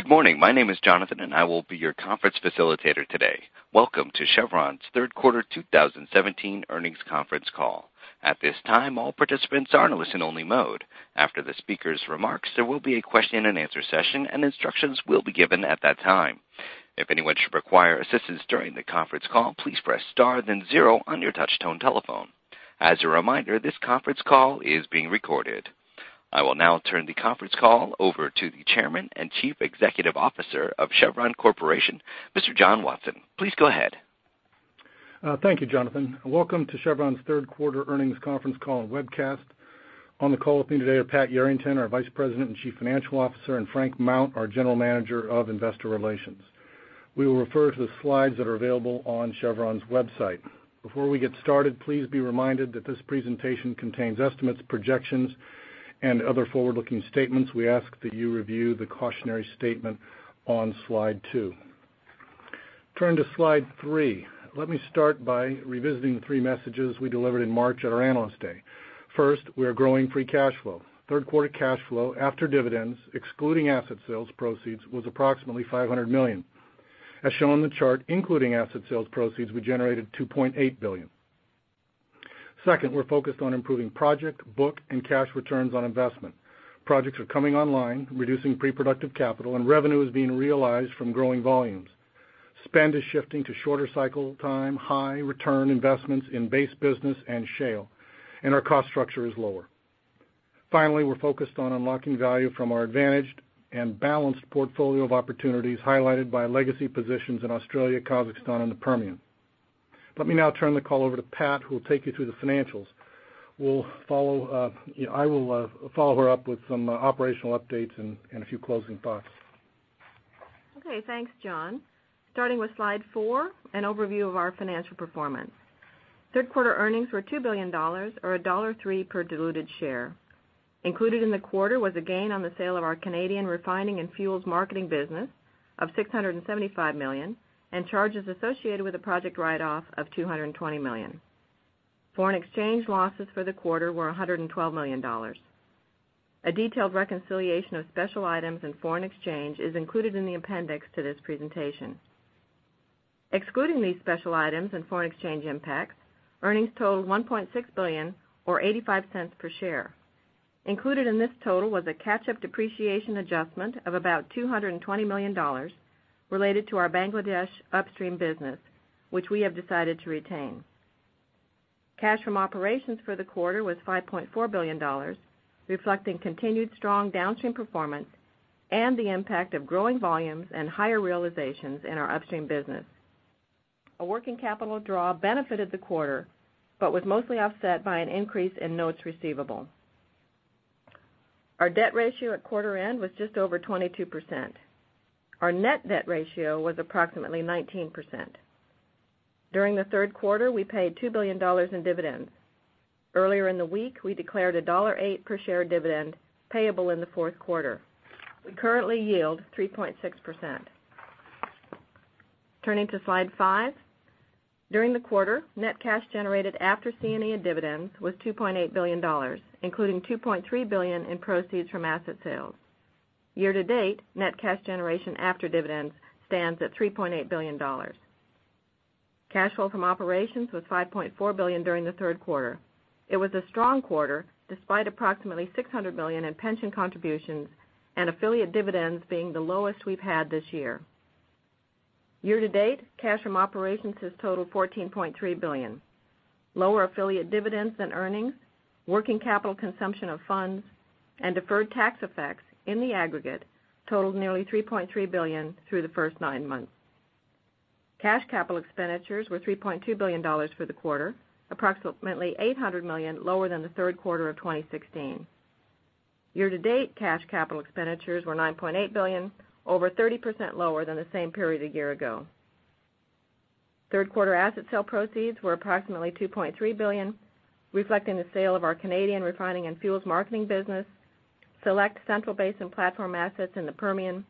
Good morning. My name is Jonathan, and I will be your conference facilitator today. Welcome to Chevron's third quarter 2017 earnings conference call. At this time, all participants are in listen only mode. After the speaker's remarks, there will be a question and answer session. Instructions will be given at that time. If anyone should require assistance during the conference call, please press star then zero on your touchtone telephone. A reminder, this conference call is being recorded. I will now turn the conference call over to the Chairman and Chief Executive Officer of Chevron Corporation, Mr. John Watson. Please go ahead. Thank you, Jonathan. Welcome to Chevron's third quarter earnings conference call and webcast. On the call with me today are Pat Yarrington, our Vice President and Chief Financial Officer, and Frank Mount, our General Manager of Investor Relations. We will refer to the slides that are available on Chevron's website. Before we get started, please be reminded that this presentation contains estimates, projections, and other forward-looking statements. We ask that you review the cautionary statement on slide two. Turn to slide three. Let me start by revisiting the three messages we delivered in March at our Analyst Day. First, we are growing free cash flow. Third quarter cash flow after dividends, excluding asset sales proceeds, was approximately $500 million. As shown in the chart, including asset sales proceeds, we generated $2.8 billion. Second, we're focused on improving project, book, and cash returns on investment. Projects are coming online, reducing pre-productive capital, and revenue is being realized from growing volumes. Spend is shifting to shorter cycle time, high return investments in base business and shale, and our cost structure is lower. Finally, we're focused on unlocking value from our advantaged and balanced portfolio of opportunities highlighted by legacy positions in Australia, Kazakhstan, and the Permian. Let me now turn the call over to Pat, who will take you through the financials. I will follow her up with some operational updates and a few closing thoughts. Okay. Thanks, John. Starting with slide four, an overview of our financial performance. Third quarter earnings were $2 billion, or $1.3 per diluted share. Included in the quarter was a gain on the sale of our Canadian refining and fuels marketing business of $675 million and charges associated with a project write-off of $220 million. Foreign exchange losses for the quarter were $112 million. A detailed reconciliation of special items and foreign exchange is included in the appendix to this presentation. Excluding these special items and foreign exchange impacts, earnings totaled $1.6 billion or $0.85 per share. Included in this total was a catch-up depreciation adjustment of about $220 million related to our Bangladesh upstream business, which we have decided to retain. Cash from operations for the quarter was $5.4 billion, reflecting continued strong downstream performance and the impact of growing volumes and higher realizations in our upstream business. A working capital draw benefited the quarter, was mostly offset by an increase in notes receivable. Our debt ratio at quarter end was just over 22%. Our net debt ratio was approximately 19%. During the third quarter, we paid $2 billion in dividends. Earlier in the week, we declared a $1.08 per share dividend payable in the fourth quarter. We currently yield 3.6%. Turning to slide five. During the quarter, net cash generated after C&E dividends was $2.8 billion, including $2.3 billion in proceeds from asset sales. Year to date, net cash generation after dividends stands at $3.8 billion. Cash flow from operations was $5.4 billion during the third quarter. It was a strong quarter, despite approximately $600 million in pension contributions and affiliate dividends being the lowest we've had this year. Year to date, cash from operations has totaled $14.3 billion. Lower affiliate dividends than earnings, working capital consumption of funds, and deferred tax effects in the aggregate totaled nearly $3.3 billion through the first nine months. Cash capital expenditures were $3.2 billion for the quarter, approximately $800 million lower than the third quarter of 2016. Year to date, cash capital expenditures were $9.8 billion, over 30% lower than the same period a year ago. Third quarter asset sale proceeds were approximately $2.3 billion, reflecting the sale of our Canadian refining and fuels marketing business, select Central Basin Platform assets in the Permian,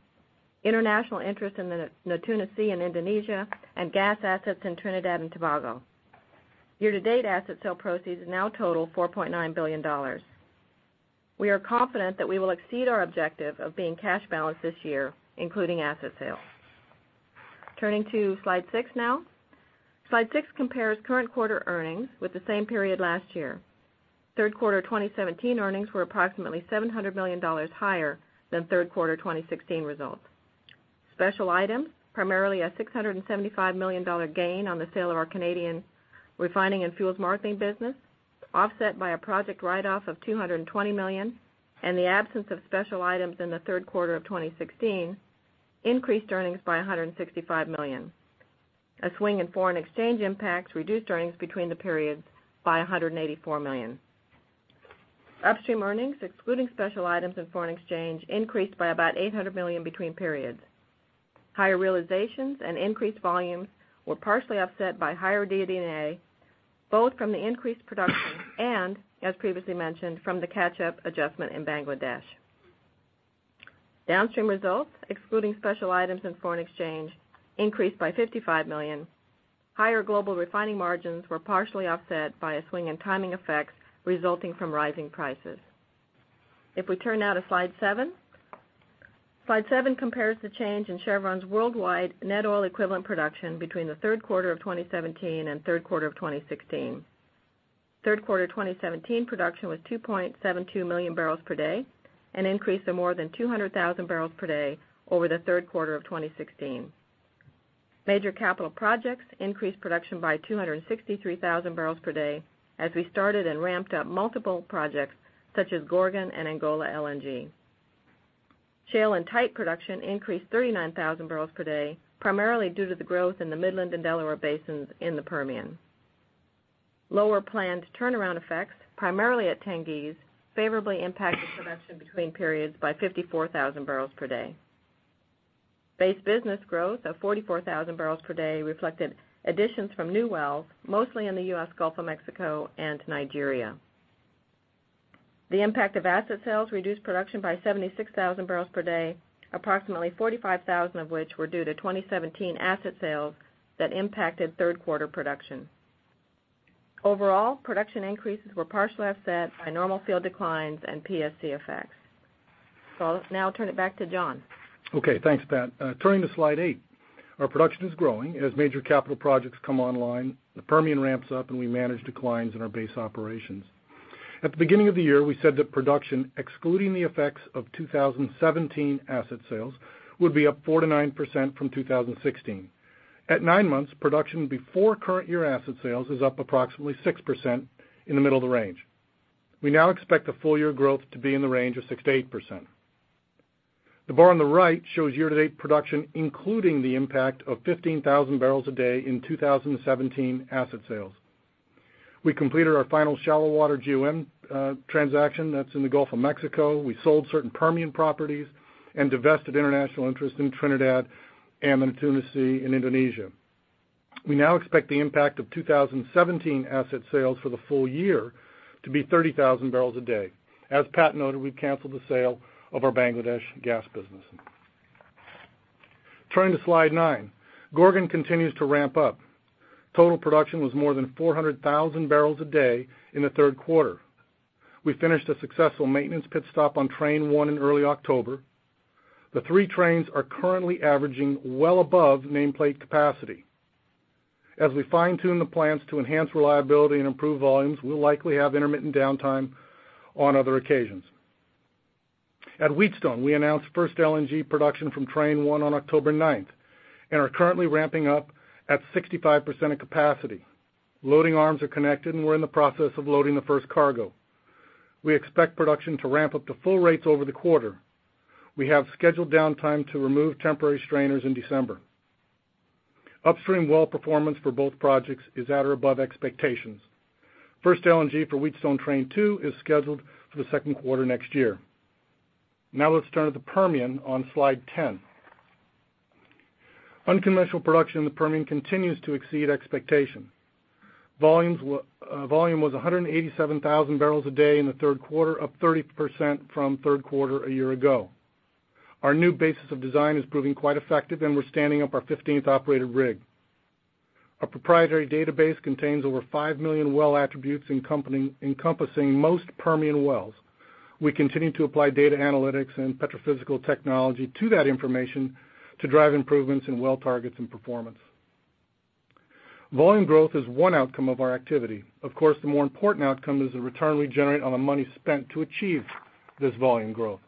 international interest in the Natuna Sea in Indonesia, and gas assets in Trinidad and Tobago. Year to date asset sale proceeds now total $4.9 billion. We are confident that we will exceed our objective of being cash balanced this year, including asset sales. Turning to slide six now. Slide six compares current quarter earnings with the same period last year. Third quarter 2017 earnings were approximately $700 million higher than third quarter 2016 results. Special items, primarily a $675 million gain on the sale of our Canadian refining and fuels marketing business, offset by a project write-off of $220 million and the absence of special items in the third quarter of 2016 increased earnings by $165 million. A swing in foreign exchange impacts reduced earnings between the periods by $184 million. Upstream earnings, excluding special items and foreign exchange, increased by about $800 million between periods. Higher realizations and increased volumes were partially offset by higher DD&A, both from the increased production and, as previously mentioned, from the catch-up adjustment in Bangladesh. Downstream results, excluding special items and foreign exchange, increased by $55 million. Higher global refining margins were partially offset by a swing in timing effects resulting from rising prices. We turn now to slide seven. Slide seven compares the change in Chevron's worldwide net oil equivalent production between the third quarter of 2017 and third quarter of 2016. Third quarter 2017 production was 2.72 million barrels per day, an increase of more than 200,000 barrels per day over the third quarter of 2016. Major capital projects increased production by 263,000 barrels per day as we started and ramped up multiple projects such as Gorgon and Angola LNG. Shale and tight production increased 39,000 barrels per day, primarily due to the growth in the Midland and Delaware basins in the Permian. Lower planned turnaround effects, primarily at Tengiz, favorably impacted production between periods by 54,000 barrels per day. Base business growth of 44,000 barrels per day reflected additions from new wells, mostly in the U.S. Gulf of Mexico and Nigeria. The impact of asset sales reduced production by 76,000 barrels per day, approximately 45,000 of which were due to 2017 asset sales that impacted third quarter production. Overall, production increases were partially offset by normal field declines and PSC effects. I'll now turn it back to John. Okay, thanks, Pat. Turning to slide eight. Our production is growing as major capital projects come online, the Permian ramps up, and we manage declines in our base operations. At the beginning of the year, we said that production, excluding the effects of 2017 asset sales, would be up 4%-9% from 2016. At nine months, production before current year asset sales is up approximately 6% in the middle of the range. We now expect the full year growth to be in the range of 6%-8%. The bar on the right shows year-to-date production, including the impact of 15,000 barrels a day in 2017 asset sales. We completed our final shallow water GOM transaction that's in the Gulf of Mexico. We sold certain Permian properties and divested international interests in Trinidad and in Tunisia and Indonesia. We now expect the impact of 2017 asset sales for the full year to be 30,000 barrels a day. As Pat noted, we canceled the sale of our Bangladesh gas business. Turning to slide nine. Gorgon continues to ramp up. Total production was more than 400,000 barrels a day in the third quarter. We finished a successful maintenance pit stop on train 1 in early October. The 3 trains are currently averaging well above nameplate capacity. As we fine-tune the plants to enhance reliability and improve volumes, we'll likely have intermittent downtime on other occasions. At Wheatstone, we announced first LNG production from train 1 on October 9th and are currently ramping up at 65% of capacity. Loading arms are connected, and we're in the process of loading the first cargo. We expect production to ramp up to full rates over the quarter. We have scheduled downtime to remove temporary strainers in December. Upstream well performance for both projects is at or above expectations. First LNG for Wheatstone train 2 is scheduled for the second quarter next year. Let's turn to the Permian on slide 10. Unconventional production in the Permian continues to exceed expectations. Volume was 187,000 barrels a day in the third quarter, up 30% from third quarter a year ago. Our new basis of design is proving quite effective, and we're standing up our 15th operated rig. Our proprietary database contains over 5 million well attributes encompassing most Permian wells. We continue to apply data analytics and petrophysical technology to that information to drive improvements in well targets and performance. Volume growth is one outcome of our activity. Of course, the more important outcome is the return we generate on the money spent to achieve this volume growth.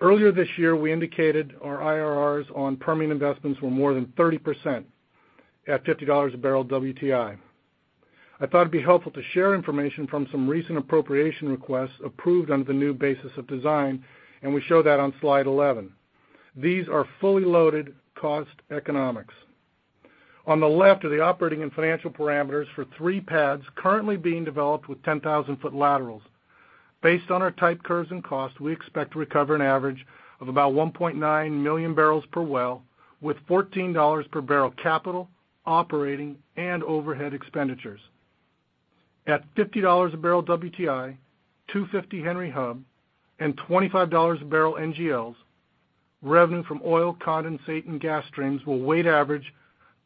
Earlier this year, we indicated our IRRs on Permian investments were more than 30% at $50 a barrel WTI. I thought it would be helpful to share information from some recent appropriation requests approved under the new basis of design, and we show that on slide 11. These are fully loaded cost economics. On the left are the operating and financial parameters for three pads currently being developed with 10,000-foot laterals. Based on our type curves and costs, we expect to recover an average of about 1.9 million barrels per well, with $14 per barrel capital, operating, and overhead expenditures. At $50 a barrel WTI, $250 Henry Hub, and $25 a barrel NGLs, revenue from oil condensate and gas streams will weight average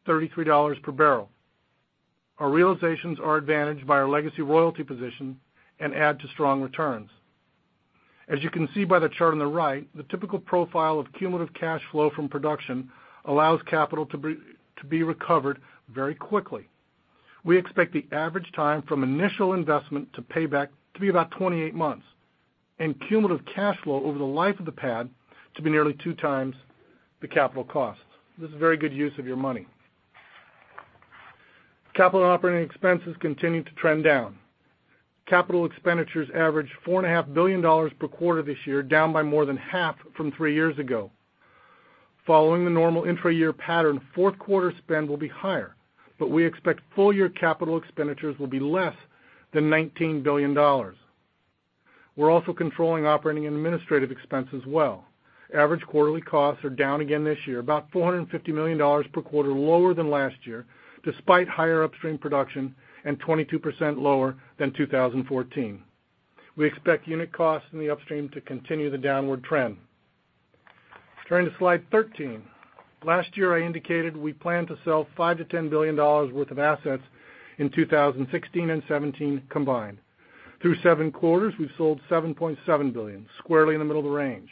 $33 per barrel. Our realizations are advantaged by our legacy royalty position and add to strong returns. As you can see by the chart on the right, the typical profile of cumulative cash flow from production allows capital to be recovered very quickly. We expect the average time from initial investment to payback to be about 28 months, and cumulative cash flow over the life of the pad to be nearly two times the capital costs. This is a very good use of your money. Capital operating expenses continue to trend down. Capital expenditures averaged $4.5 billion per quarter this year, down by more than half from three years ago. Following the normal intra-year pattern, fourth quarter spend will be higher, but we expect full-year capital expenditures will be less than $19 billion. We are also controlling operating and administrative expenses well. Average quarterly costs are down again this year, about $450 million per quarter lower than last year, despite higher upstream production and 22% lower than 2014. We expect unit costs in the upstream to continue the downward trend. Turning to slide 13. Last year, I indicated we plan to sell $5 billion-$10 billion worth of assets in 2016 and 2017 combined. Through seven quarters, we have sold $7.7 billion, squarely in the middle of the range.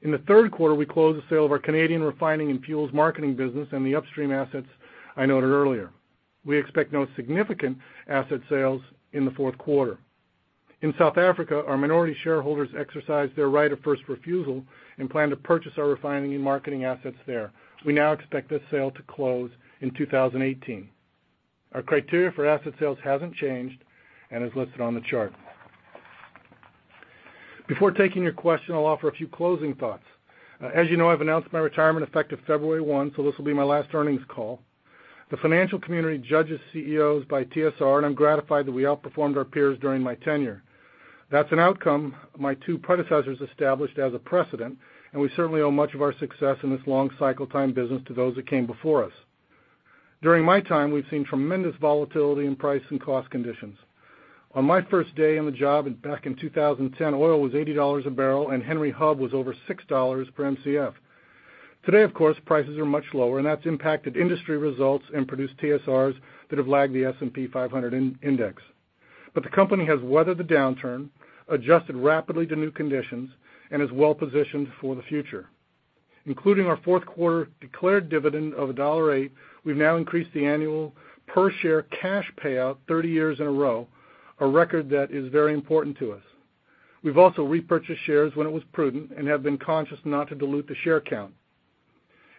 In the third quarter, we closed the sale of our Canadian refining and fuels marketing business and the upstream assets I noted earlier. We expect no significant asset sales in the fourth quarter. In South Africa, our minority shareholders exercised their right of first refusal and plan to purchase our refining and marketing assets there. We now expect this sale to close in 2018. Our criteria for asset sales has not changed and is listed on the chart. Before taking your question, I will offer a few closing thoughts. As you know, I have announced my retirement effective February 1, this will be my last earnings call. The financial community judges CEOs by TSR, and I am gratified that we outperformed our peers during my tenure. That is an outcome my two predecessors established as a precedent, and we certainly owe much of our success in this long cycle time business to those that came before us. During my time, we have seen tremendous volatility in price and cost conditions. On my first day on the job back in 2010, oil was $80 a barrel, and Henry Hub was over $6 per Mcf. Today, of course, prices are much lower, and that has impacted industry results and produced TSRs that have lagged the S&P 500 index. The company has weathered the downturn, adjusted rapidly to new conditions, and is well-positioned for the future. Including our fourth quarter declared dividend of $1.08, we've now increased the annual per share cash payout 30 years in a row, a record that is very important to us. We've also repurchased shares when it was prudent and have been conscious not to dilute the share count.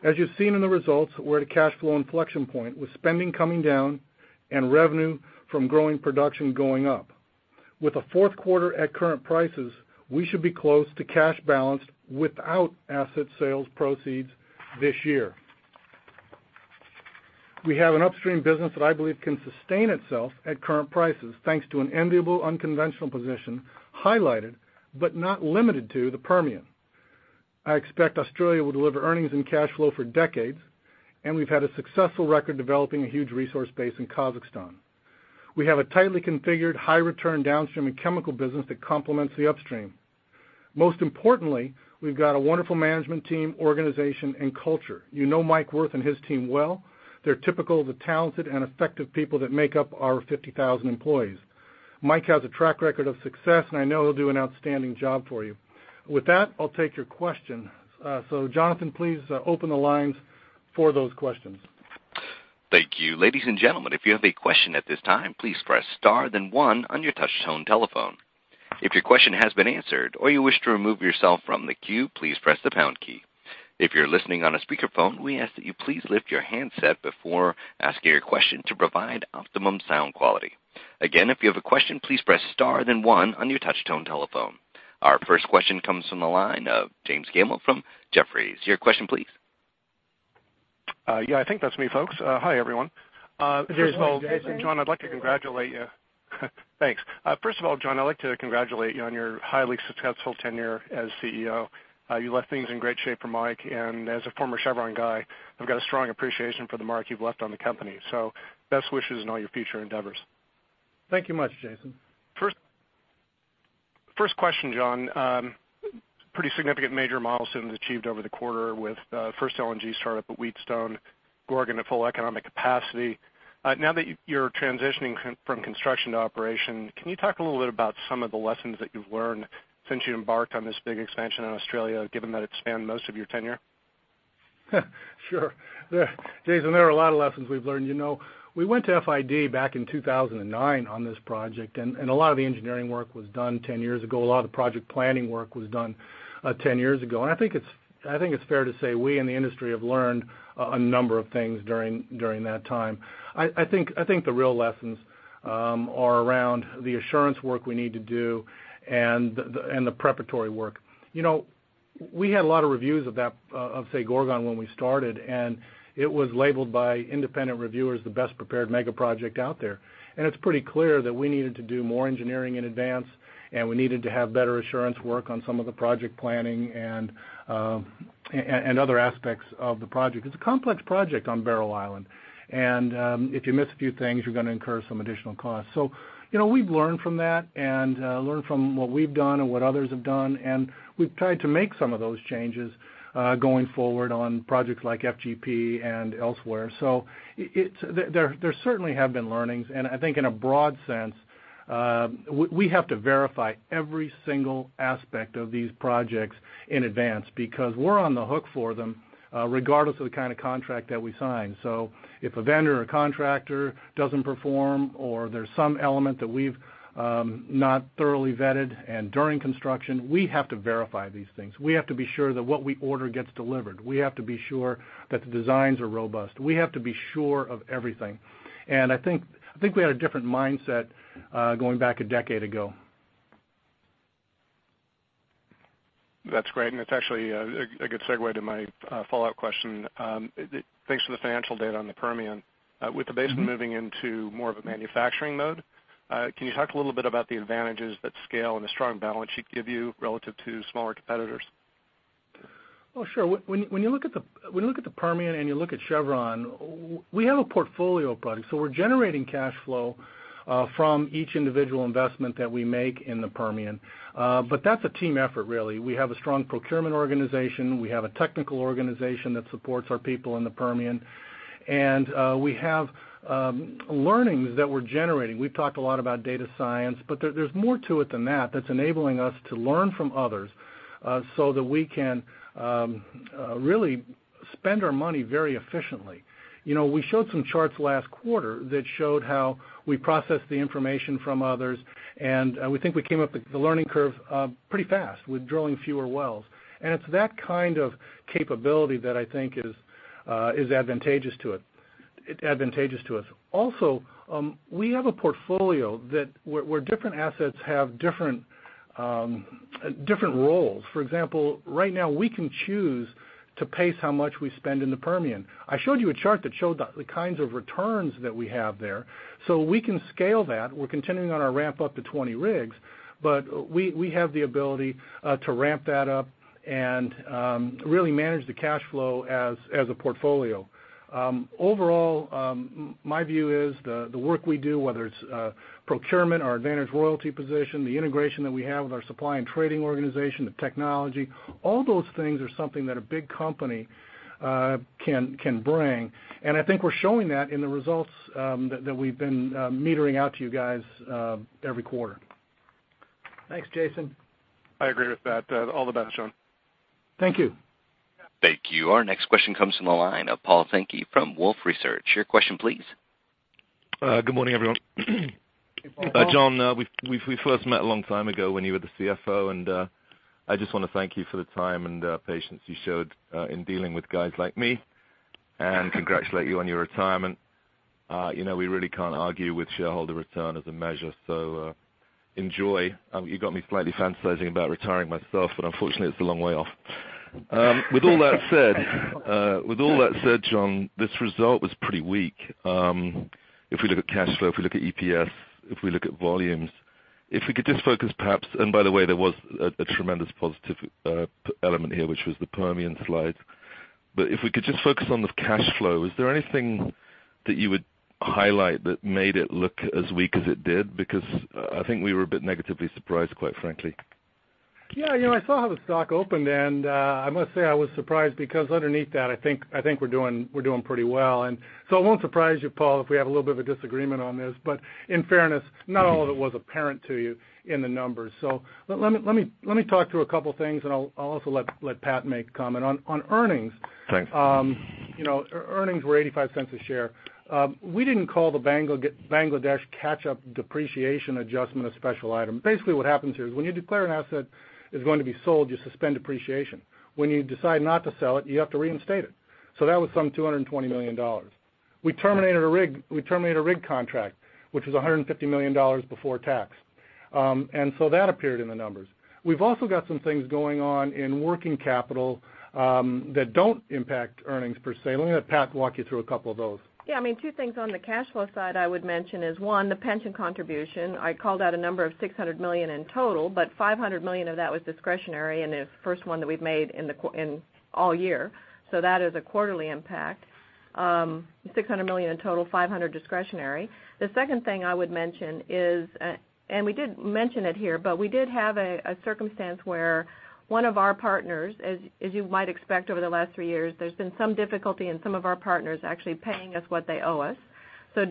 As you've seen in the results, we're at a cash flow inflection point with spending coming down and revenue from growing production going up. With a fourth quarter at current prices, we should be close to cash balance without asset sales proceeds this year. We have an upstream business that I believe can sustain itself at current prices, thanks to an enviable unconventional position highlighted but not limited to the Permian. I expect Australia will deliver earnings and cash flow for decades, and we've had a successful record developing a huge resource base in Kazakhstan. We have a tightly configured high return downstream and chemical business that complements the upstream. Most importantly, we've got a wonderful management team, organization, and culture. You know Mike Wirth and his team well. They're typical of the talented and effective people that make up our 50,000 employees. Mike has a track record of success, and I know he'll do an outstanding job for you. With that, I'll take your question. Jonathan, please open the lines for those questions. Thank you. Ladies and gentlemen, if you have a question at this time, please press star then one on your touchtone telephone. If your question has been answered or you wish to remove yourself from the queue, please press the pound key. If you're listening on a speakerphone, we ask that you please lift your handset before asking your question to provide optimum sound quality. Again, if you have a question, please press star then one on your touchtone telephone. Our first question comes from the line of Jason Gabelman from Jefferies. Your question please. Yeah, I think that's me, folks. Hi, everyone. Jason. John, I'd like to congratulate you. Thanks. First of all, John, I'd like to congratulate you on your highly successful tenure as CEO. You left things in great shape for Mike, and as a former Chevron guy, I've got a strong appreciation for the mark you've left on the company. Best wishes in all your future endeavors. Thank you much, Jason. First question, John. Pretty significant major milestones achieved over the quarter with first LNG startup at Wheatstone, Gorgon at full economic capacity. Now that you're transitioning from construction to operation, can you talk a little bit about some of the lessons that you've learned since you embarked on this big expansion in Australia, given that it spanned most of your tenure? Sure. Jason, there are a lot of lessons we've learned. We went to FID back in 2009 on this project, and a lot of the engineering work was done 10 years ago. A lot of the project planning work was done 10 years ago. I think it's fair to say we in the industry have learned a number of things during that time. I think the real lessons are around the assurance work we need to do and the preparatory work. We had a lot of reviews of, say, Gorgon when we started, and it was labeled by independent reviewers the best prepared mega project out there. It's pretty clear that we needed to do more engineering in advance, and we needed to have better assurance work on some of the project planning and other aspects of the project. It's a complex project on Barrow Island, and if you miss a few things, you're going to incur some additional costs. We've learned from that and learned from what we've done and what others have done, and we've tried to make some of those changes going forward on projects like FGP and elsewhere. There certainly have been learnings, and I think in a broad sense, we have to verify every single aspect of these projects in advance because we're on the hook for them regardless of the kind of contract that we sign. If a vendor or contractor doesn't perform or there's some element that we've not thoroughly vetted and during construction, we have to verify these things. We have to be sure that what we order gets delivered. We have to be sure that the designs are robust. We have to be sure of everything. I think we had a different mindset going back a decade ago. That's great, and it's actually a good segue to my follow-up question. Thanks for the financial data on the Permian. With the basin moving into more of a manufacturing mode, can you talk a little bit about the advantages that scale and a strong balance sheet give you relative to smaller competitors? Oh, sure. When you look at the Permian and you look at Chevron, we have a portfolio approach, so we're generating cash flow from each individual investment that we make in the Permian. That's a team effort, really. We have a strong procurement organization. We have a technical organization that supports our people in the Permian. We have learnings that we're generating. We've talked a lot about data science, but there's more to it than that's enabling us to learn from others, so that we can really spend our money very efficiently. We showed some charts last quarter that showed how we process the information from others, and we think we came up the learning curve pretty fast with drilling fewer wells. It's that kind of capability that I think is advantageous to us. Also, we have a portfolio where different assets have different roles. For example, right now we can choose to pace how much we spend in the Permian. I showed you a chart that showed the kinds of returns that we have there, so we can scale that. We're continuing on our ramp up to 20 rigs. We have the ability to ramp that up and really manage the cash flow as a portfolio. Overall, my view is the work we do, whether it's procurement, our advantage royalty position, the integration that we have with our supply and trading organization, the technology, all those things are something that a big company can bring. I think we're showing that in the results that we've been metering out to you guys every quarter. Thanks, Jason. I agree with that. All the best, John. Thank you. Thank you. Our next question comes from the line of Paul Sankey from Wolfe Research. Your question, please. Good morning, everyone. Hey, Paul. John, we first met a long time ago when you were the CFO. I just want to thank you for the time and patience you showed in dealing with guys like me and congratulate you on your retirement. We really can't argue with shareholder return as a measure. Enjoy. You got me slightly fantasizing about retiring myself. Unfortunately, it's a long way off. With all that said, John, this result was pretty weak. If we look at cash flow, if we look at EPS, if we look at volumes, if we could just focus perhaps. By the way, there was a tremendous positive element here, which was the Permian slide. If we could just focus on the cash flow, is there anything that you would highlight that made it look as weak as it did? I think we were a bit negatively surprised, quite frankly. Yeah. I saw how the stock opened, I must say I was surprised because underneath that, I think we're doing pretty well. It won't surprise you, Paul, if we have a little bit of a disagreement on this, but in fairness, not all of it was apparent to you in the numbers. Let me talk through a couple things, and I'll also let Pat make a comment. On earnings. Thanks Earnings were $0.85 a share. We didn't call the Bangladesh catch-up depreciation adjustment a special item. Basically, what happens here is when you declare an asset is going to be sold, you suspend depreciation. When you decide not to sell it, you have to reinstate it. That was some $220 million. We terminated a rig contract, which was $150 million before tax. That appeared in the numbers. We've also got some things going on in working capital that don't impact earnings per se. I'm going to let Pat walk you through a couple of those. Yeah. Two things on the cash flow side I would mention is one, the pension contribution. I called out a number of $600 million in total, but $500 million of that was discretionary, and the first one that we've made in all year. That is a quarterly impact. $600 million in total, $500 discretionary. The second thing I would mention is, and we did mention it here, but we did have a circumstance where one of our partners, as you might expect over the last three years, there's been some difficulty in some of our partners actually paying us what they owe us.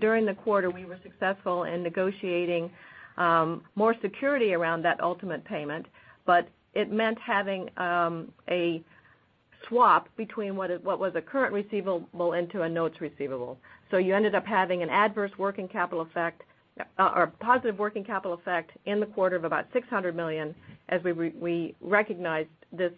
During the quarter, we were successful in negotiating more security around that ultimate payment. It meant having a swap between what was a current receivable into a notes receivable. You ended up having a positive working capital effect in the quarter of about $600 million as we recognized this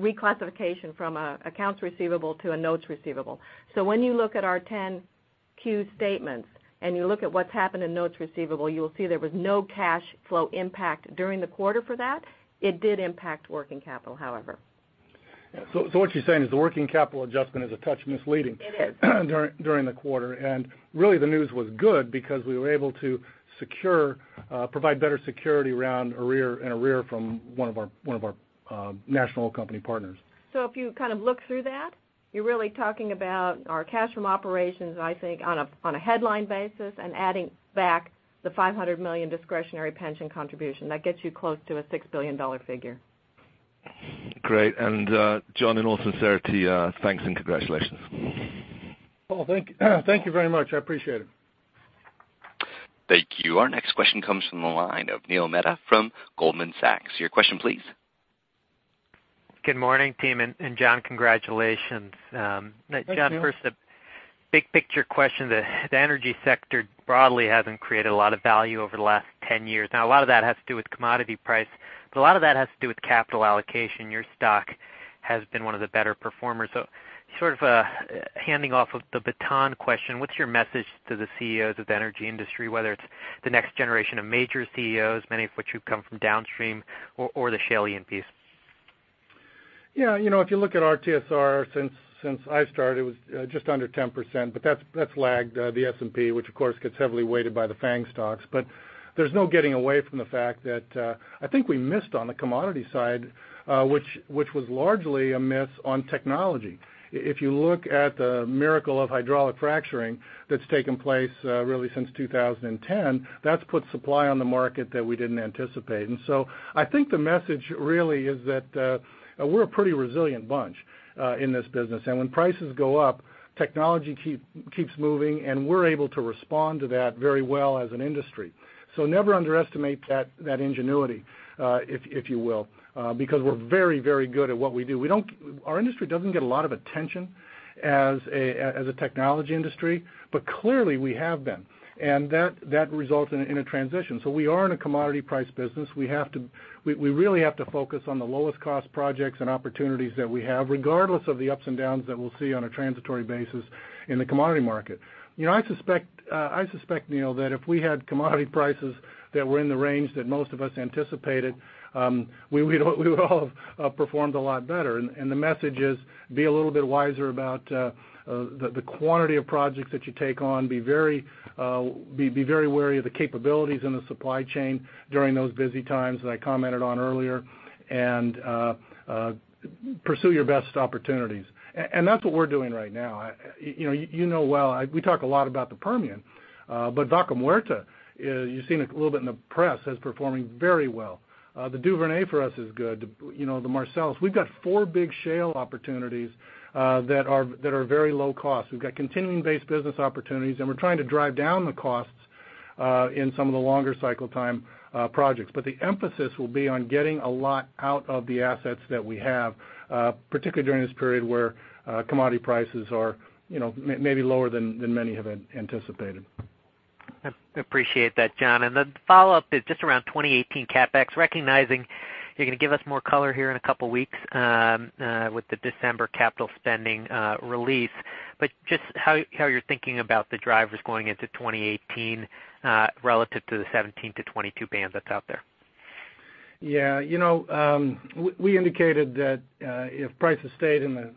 reclassification from an accounts receivable to a notes receivable. When you look at our 10-Q statements and you look at what's happened in notes receivable, you'll see there was no cash flow impact during the quarter for that. It did impact working capital, however. What she's saying is the working capital adjustment is a touch misleading. It is. During the quarter. Really the news was good because we were able to provide better security around arrears from one of our national company partners. if you look through that, you're really talking about our cash from operations, I think, on a headline basis and adding back the $500 million discretionary pension contribution. That gets you close to a $6 billion figure. Great. John, in all sincerity, thanks and congratulations. Paul, thank you very much. I appreciate it. Thank you. Our next question comes from the line of Neil Mehta from Goldman Sachs. Your question, please. Good morning, team. John, congratulations. Thanks, Neil. John, first a big picture question. The energy sector broadly hasn't created a lot of value over the last 10 years. A lot of that has to do with commodity price, but a lot of that has to do with capital allocation. Your stock has been one of the better performers. Sort of a handing off of the baton question, what's your message to the CEOs of the energy industry, whether it's the next generation of major CEOs, many of which who've come from downstream or the shale piece? Yeah. If you look at our TSR since I started, it was just under 10%, but that's lagged the S&P, which of course gets heavily weighted by the FAANG stocks. There's no getting away from the fact that I think we missed on the commodity side, which was largely a miss on technology. If you look at the miracle of hydraulic fracturing that's taken place really since 2010, that's put supply on the market that we didn't anticipate. I think the message really is that we're a pretty resilient bunch in this business. When prices go up, technology keeps moving, and we're able to respond to that very well as an industry. Never underestimate that ingenuity, if you will, because we're very good at what we do. Our industry doesn't get a lot of attention as a technology industry, but clearly we have been, and that results in a transition. We are in a commodity price business. We really have to focus on the lowest cost projects and opportunities that we have, regardless of the ups and downs that we'll see on a transitory basis in the commodity market. I suspect, Neil, that if we had commodity prices that were in the range that most of us anticipated, we would all have performed a lot better. The message is be a little bit wiser about the quantity of projects that you take on. Be very wary of the capabilities in the supply chain during those busy times that I commented on earlier, and pursue your best opportunities. That's what we're doing right now. You know well, we talk a lot about the Permian, but Vaca Muerta, you've seen a little bit in the press, is performing very well. The Duvernay for us is good. The Marcellus. We've got four big shale opportunities that are very low cost. We've got continuing base business opportunities, we're trying to drive down the costs in some of the longer cycle time projects. The emphasis will be on getting a lot out of the assets that we have, particularly during this period where commodity prices are maybe lower than many have anticipated. I appreciate that, John. The follow-up is just around 2018 CapEx, recognizing you're going to give us more color here in a couple of weeks with the December capital spending release, but just how you're thinking about the drivers going into 2018 relative to the $17 billion-$22 billion band that's out there. Yeah. We indicated that if prices stayed in the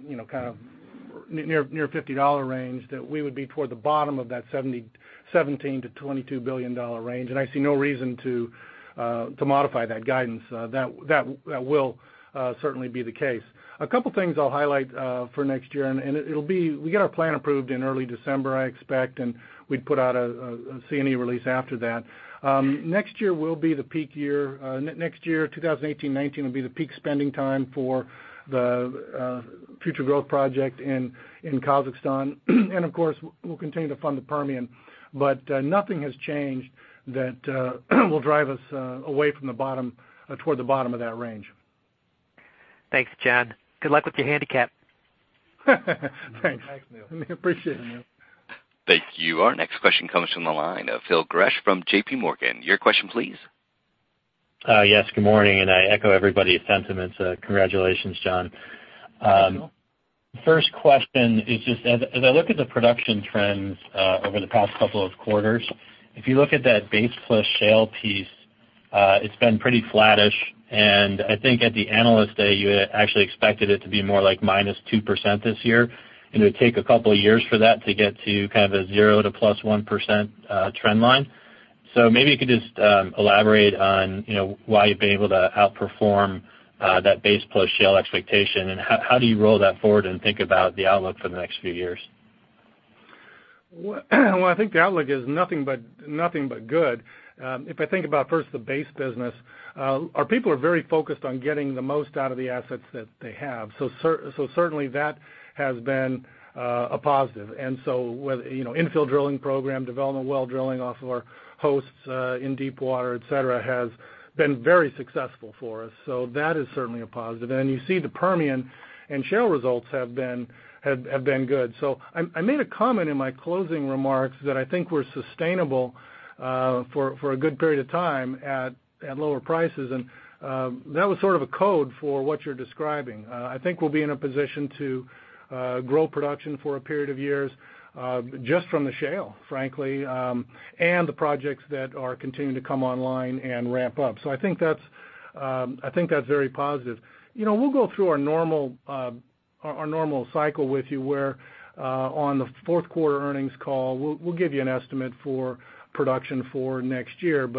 near $50 range, that we would be toward the bottom of that $17 billion-$22 billion range, I see no reason to modify that guidance. That will certainly be the case. A couple of things I'll highlight for next year, We get our plan approved in early December, I expect, we'd put out a C&E release after that. Next year, 2018, 2019, will be the peak spending time for the future growth project in Kazakhstan. Of course, we'll continue to fund the Permian. Nothing has changed that will drive us away from toward the bottom of that range. Thanks, John. Good luck with your handicap. Thanks. Thanks, Neil. Appreciate it. Thank you. Our next question comes from the line of Phil Gresh from J.P. Morgan. Your question, please. Good morning, I echo everybody's sentiments. Congratulations, John. Thank you, Phil. First question is just as I look at the production trends over the past couple of quarters, if you look at that base plus shale piece, it's been pretty flattish. I think at the Analyst Day, you had actually expected it to be more like -2% this year, it would take a couple of years for that to get to kind of a 0 to +1% trend line. Maybe you could just elaborate on why you've been able to outperform that base plus shale expectation, how do you roll that forward and think about the outlook for the next few years? I think the outlook is nothing but good. If I think about first the base business, our people are very focused on getting the most out of the assets that they have. Certainly, that has been a positive. Infill drilling program, development well drilling off of our hosts in deep water, et cetera, has been very successful for us. That is certainly a positive. You see the Permian and shale results have been good. I made a comment in my closing remarks that I think we're sustainable for a good period of time at lower prices, that was sort of a code for what you're describing. I think we'll be in a position to grow production for a period of years just from the shale, frankly, and the projects that are continuing to come online and ramp up. I think that's very positive. We'll go through our normal cycle with you where on the fourth quarter earnings call, we'll give you an estimate for production for next year.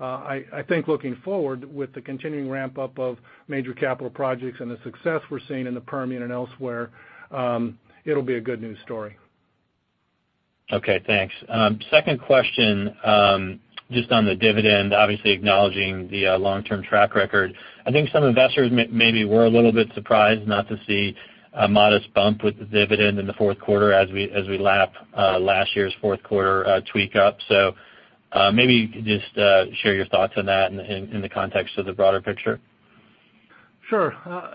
I think looking forward with the continuing ramp-up of major capital projects and the success we're seeing in the Permian and elsewhere, it'll be a good news story. Okay, thanks. Second question, just on the dividend, obviously acknowledging the long-term track record. I think some investors maybe were a little bit surprised not to see a modest bump with the dividend in the fourth quarter as we lap last year's fourth quarter tweak up. Maybe you could just share your thoughts on that in the context of the broader picture. Sure. I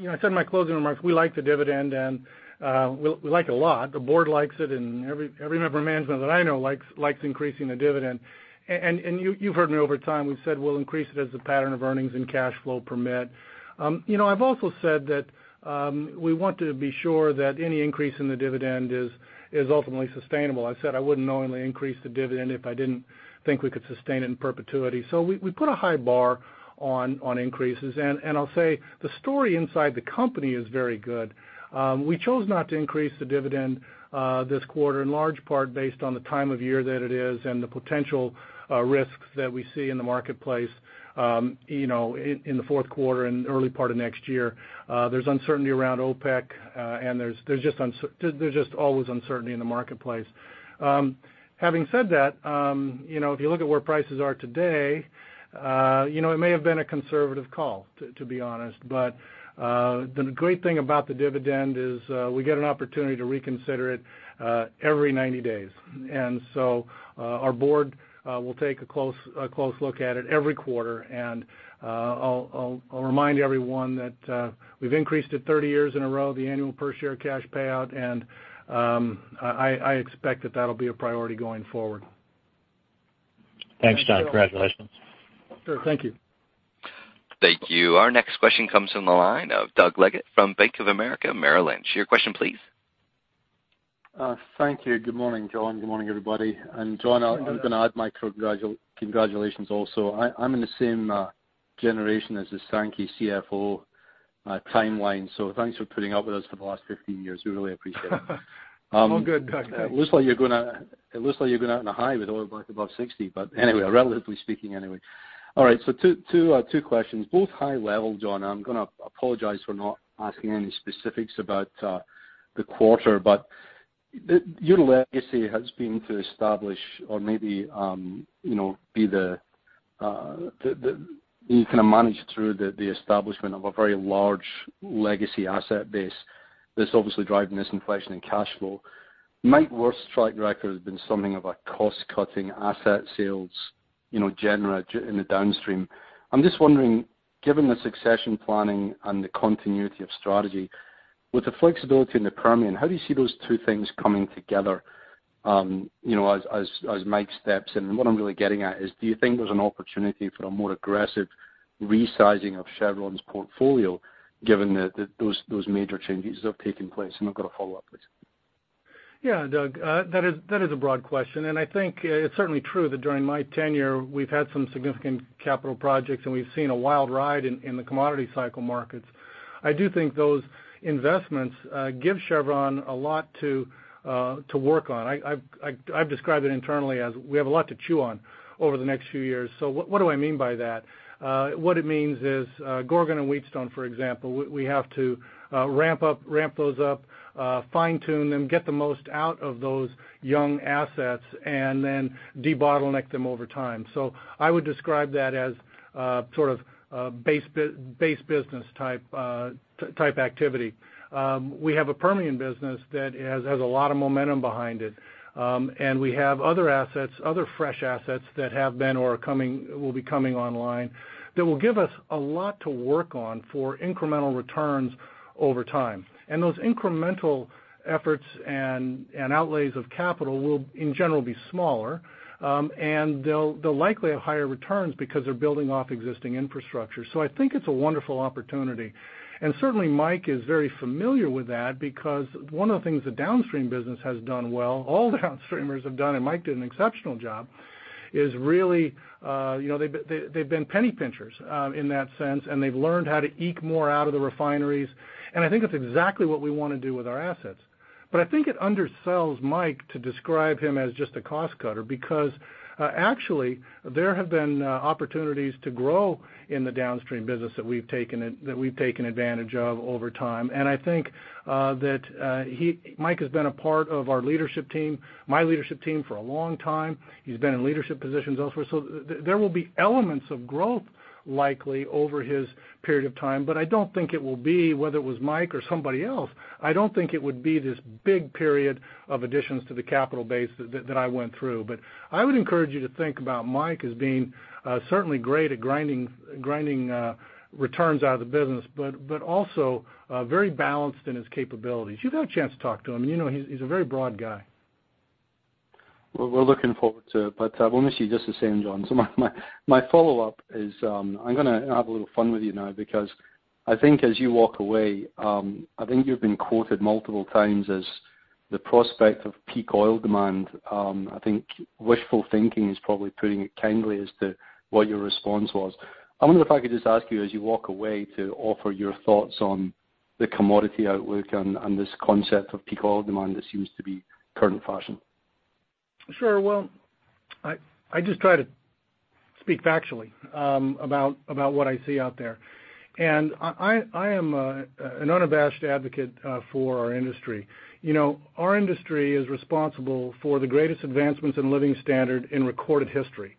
said in my closing remarks, we like the dividend, and we like it a lot. The board likes it, and every member of management that I know likes increasing the dividend. You've heard me over time, we've said we'll increase it as the pattern of earnings and cash flow permit. I've also said that we want to be sure that any increase in the dividend is ultimately sustainable. I said I wouldn't knowingly increase the dividend if I didn't think we could sustain it in perpetuity. We put a high bar on increases. I'll say, the story inside the company is very good. We chose not to increase the dividend this quarter, in large part based on the time of year that it is and the potential risks that we see in the marketplace in the fourth quarter and early part of next year. There's uncertainty around OPEC, and there's just always uncertainty in the marketplace. Having said that, if you look at where prices are today, it may have been a conservative call, to be honest. The great thing about the dividend is we get an opportunity to reconsider it every 90 days. Our board will take a close look at it every quarter, and I'll remind everyone that we've increased it 30 years in a row, the annual per share cash payout, and I expect that that'll be a priority going forward. Thanks, John. Congratulations. Sure. Thank you. Thank you. Our next question comes from the line of Doug Leggate from Bank of America Merrill Lynch. Your question, please. Thank you. Good morning, John. Good morning, everybody. John, I'm going to add my congratulations also. I'm in the same generation as the Sankey CFO timeline. Thanks for putting up with us for the last 15 years. We really appreciate it. All good, Doug. Thanks. It looks like you're going out on a high with oil back above $60. Anyway, relatively speaking anyway. All right, two questions, both high level, John. I'm going to apologize for not asking any specifics about the quarter, but your legacy has been to establish or maybe you managed through the establishment of a very large legacy asset base that's obviously driving this inflation in cash flow. Mike Wirth's track record has been something of a cost-cutting asset sales in the downstream. I'm just wondering, given the succession planning and the continuity of strategy, with the flexibility in the Permian, how do you see those two things coming together as Mike steps in? What I'm really getting at is, do you think there's an opportunity for a more aggressive resizing of Chevron's portfolio given that those major changes have taken place? I've got a follow-up, please. Yeah, Doug, that is a broad question, and I think it's certainly true that during my tenure, we've had some significant capital projects, and we've seen a wild ride in the commodity cycle markets. I do think those investments give Chevron a lot to work on. I've described it internally as we have a lot to chew on over the next few years. What do I mean by that? What it means is Gorgon and Wheatstone, for example, we have to ramp those up, fine-tune them, get the most out of those young assets, and then debottleneck them over time. I would describe that as sort of base business type activity. We have a Permian business that has a lot of momentum behind it. We have other fresh assets that have been or will be coming online that will give us a lot to work on for incremental returns over time. Those incremental efforts and outlays of capital will, in general, be smaller, and they'll likely have higher returns because they're building off existing infrastructure. I think it's a wonderful opportunity. Certainly, Mike is very familiar with that because one of the things the downstream business has done well, all downstreamers have done, and Mike did an exceptional job, is really they've been penny pinchers in that sense, and they've learned how to eke more out of the refineries. I think that's exactly what we want to do with our assets. I think it undersells Mike to describe him as just a cost cutter because actually, there have been opportunities to grow in the downstream business that we've taken advantage of over time. I think that Mike has been a part of our leadership team, my leadership team, for a long time. He's been in leadership positions elsewhere. There will be elements of growth likely over his period of time, but I don't think it will be, whether it was Mike or somebody else, I don't think it would be this big period of additions to the capital base that I went through. I would encourage you to think about Mike as being certainly great at grinding returns out of the business, but also very balanced in his capabilities. You've had a chance to talk to him. He's a very broad guy. Well, we're looking forward to it, but we'll miss you just the same, John. My follow-up is I'm going to have a little fun with you now because I think as you walk away, I think you've been quoted multiple times as the prospect of peak oil demand. I think wishful thinking is probably putting it kindly as to what your response was. I wonder if I could just ask you as you walk away to offer your thoughts on the commodity outlook and this concept of peak oil demand that seems to be current fashion. Sure. Well, I just try to speak factually about what I see out there. I am an unabashed advocate for our industry. Our industry is responsible for the greatest advancements in living standard in recorded history.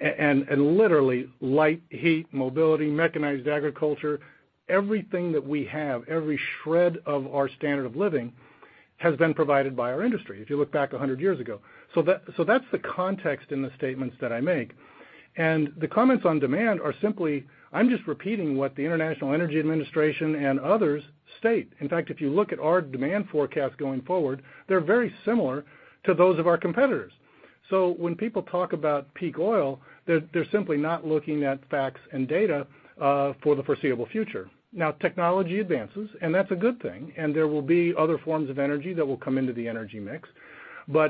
Literally light, heat, mobility, mechanized agriculture, everything that we have, every shred of our standard of living has been provided by our industry if you look back 100 years ago. That's the context in the statements that I make. The comments on demand are simply, I'm just repeating what the International Energy Agency and others state. In fact, if you look at our demand forecast going forward, they're very similar to those of our competitors. When people talk about peak oil, they're simply not looking at facts and data for the foreseeable future. Now technology advances, and that's a good thing, and there will be other forms of energy that will come into the energy mix.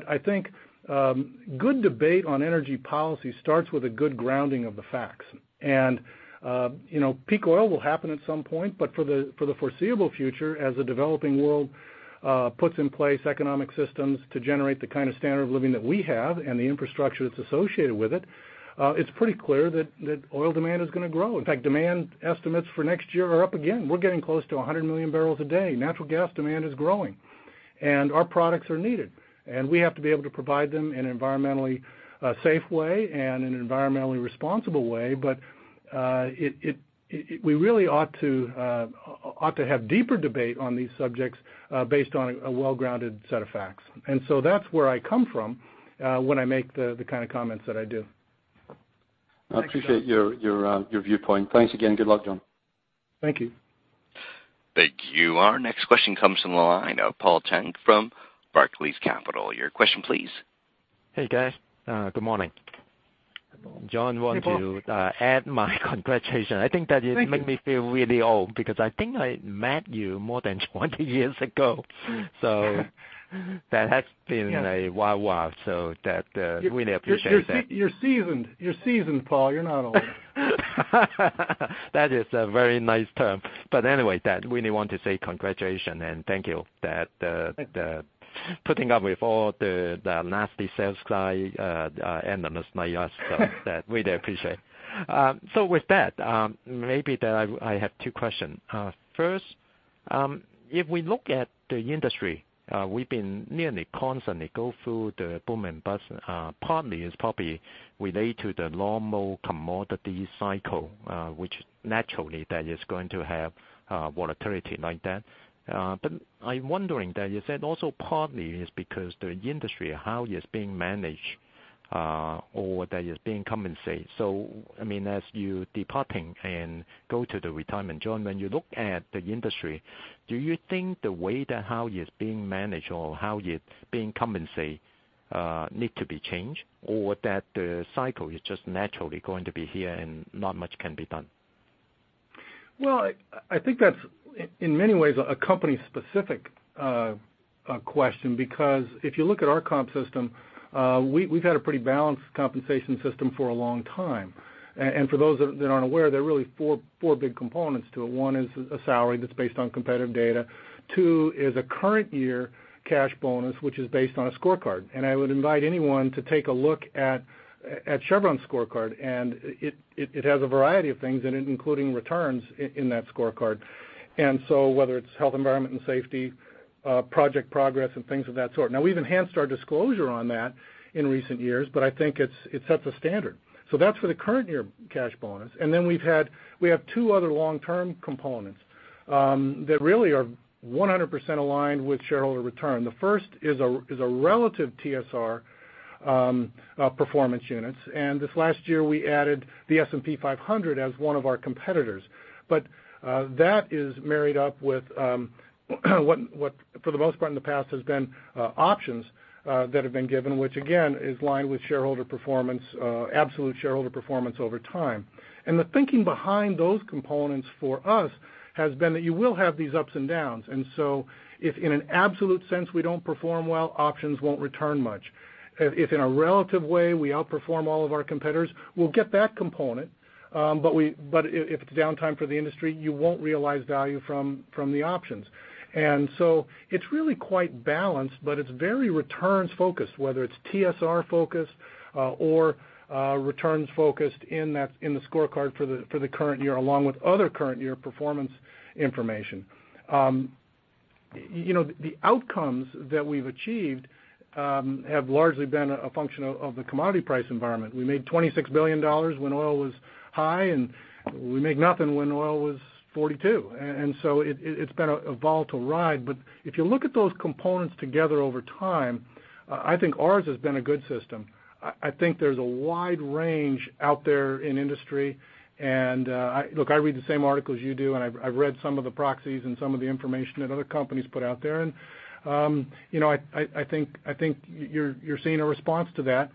I think good debate on energy policy starts with a good grounding of the facts. Peak oil will happen at some point, but for the foreseeable future, as the developing world puts in place economic systems to generate the kind of standard of living that we have and the infrastructure that's associated with it's pretty clear that oil demand is going to grow. In fact, demand estimates for next year are up again. We're getting close to 100 million barrels a day. Natural gas demand is growing, and our products are needed, and we have to be able to provide them in an environmentally safe way and in an environmentally responsible way. We really ought to have deeper debate on these subjects based on a well-grounded set of facts. That's where I come from when I make the kind of comments that I do. I appreciate your viewpoint. Thanks again. Good luck, John. Thank you. Thank you. Our next question comes from the line of Paul Cheng from Barclays Capital. Your question, please. Hey, guys. Good morning. Good morning. John, I want to add my congratulations. Thank you. It make me feel really old because I think I met you more than 20 years ago. That has been a while. That really appreciate that. You're seasoned, Paul. You're not old. That is a very nice term. Anyway, that really want to say congratulations and thank you. Thank you. putting up with all the nasty sales guy and others like us, so that really appreciate. With that, maybe I have two questions. First, if we look at the industry, we've been nearly constantly going through the boom and bust, partly is probably related to the normal commodity cycle, which naturally is going to have volatility like that. I'm wondering that is that also partly because the industry, how it's being managed, or that is being compensated. I mean, as you departing and go to the retirement, John, when you look at the industry, do you think the way that how it's being managed or how it's being compensated needs to be changed? That the cycle is just naturally going to be here and not much can be done? Well, I think that's, in many ways, a company-specific question, because if you look at our comp system, we've had a pretty balanced compensation system for a long time. For those that aren't aware, there are really four big components to it. One is a salary that's based on competitive data. Two is a current year cash bonus, which is based on a scorecard. I would invite anyone to take a look at Chevron's scorecard, and it has a variety of things in it, including returns in that scorecard. Whether it's health, environment and safety, project progress and things of that sort. Now we've enhanced our disclosure on that in recent years, but I think it sets a standard. That's for the current year cash bonus. We have two other long-term components that really are 100% aligned with shareholder return. The first is a relative TSR performance units. This last year, we added the S&P 500 as one of our competitors. That is married up with what for the most part in the past has been options that have been given, which again, is aligned with shareholder performance, absolute shareholder performance over time. The thinking behind those components for us has been that you will have these ups and downs. If in an absolute sense we don't perform well, options won't return much. If in a relative way we outperform all of our competitors, we'll get that component. If it's downtime for the industry, you won't realize value from the options. It's really quite balanced, but it's very returns-focused, whether it's TSR-focused or returns-focused in the scorecard for the current year, along with other current year performance information. The outcomes that we've achieved have largely been a function of the commodity price environment. We made $26 billion when oil was high, and we make nothing when oil was $42. It's been a volatile ride. If you look at those components together over time, I think ours has been a good system. I think there's a wide range out there in industry. Look, I read the same articles you do, and I've read some of the proxies and some of the information that other companies put out there. I think you're seeing a response to that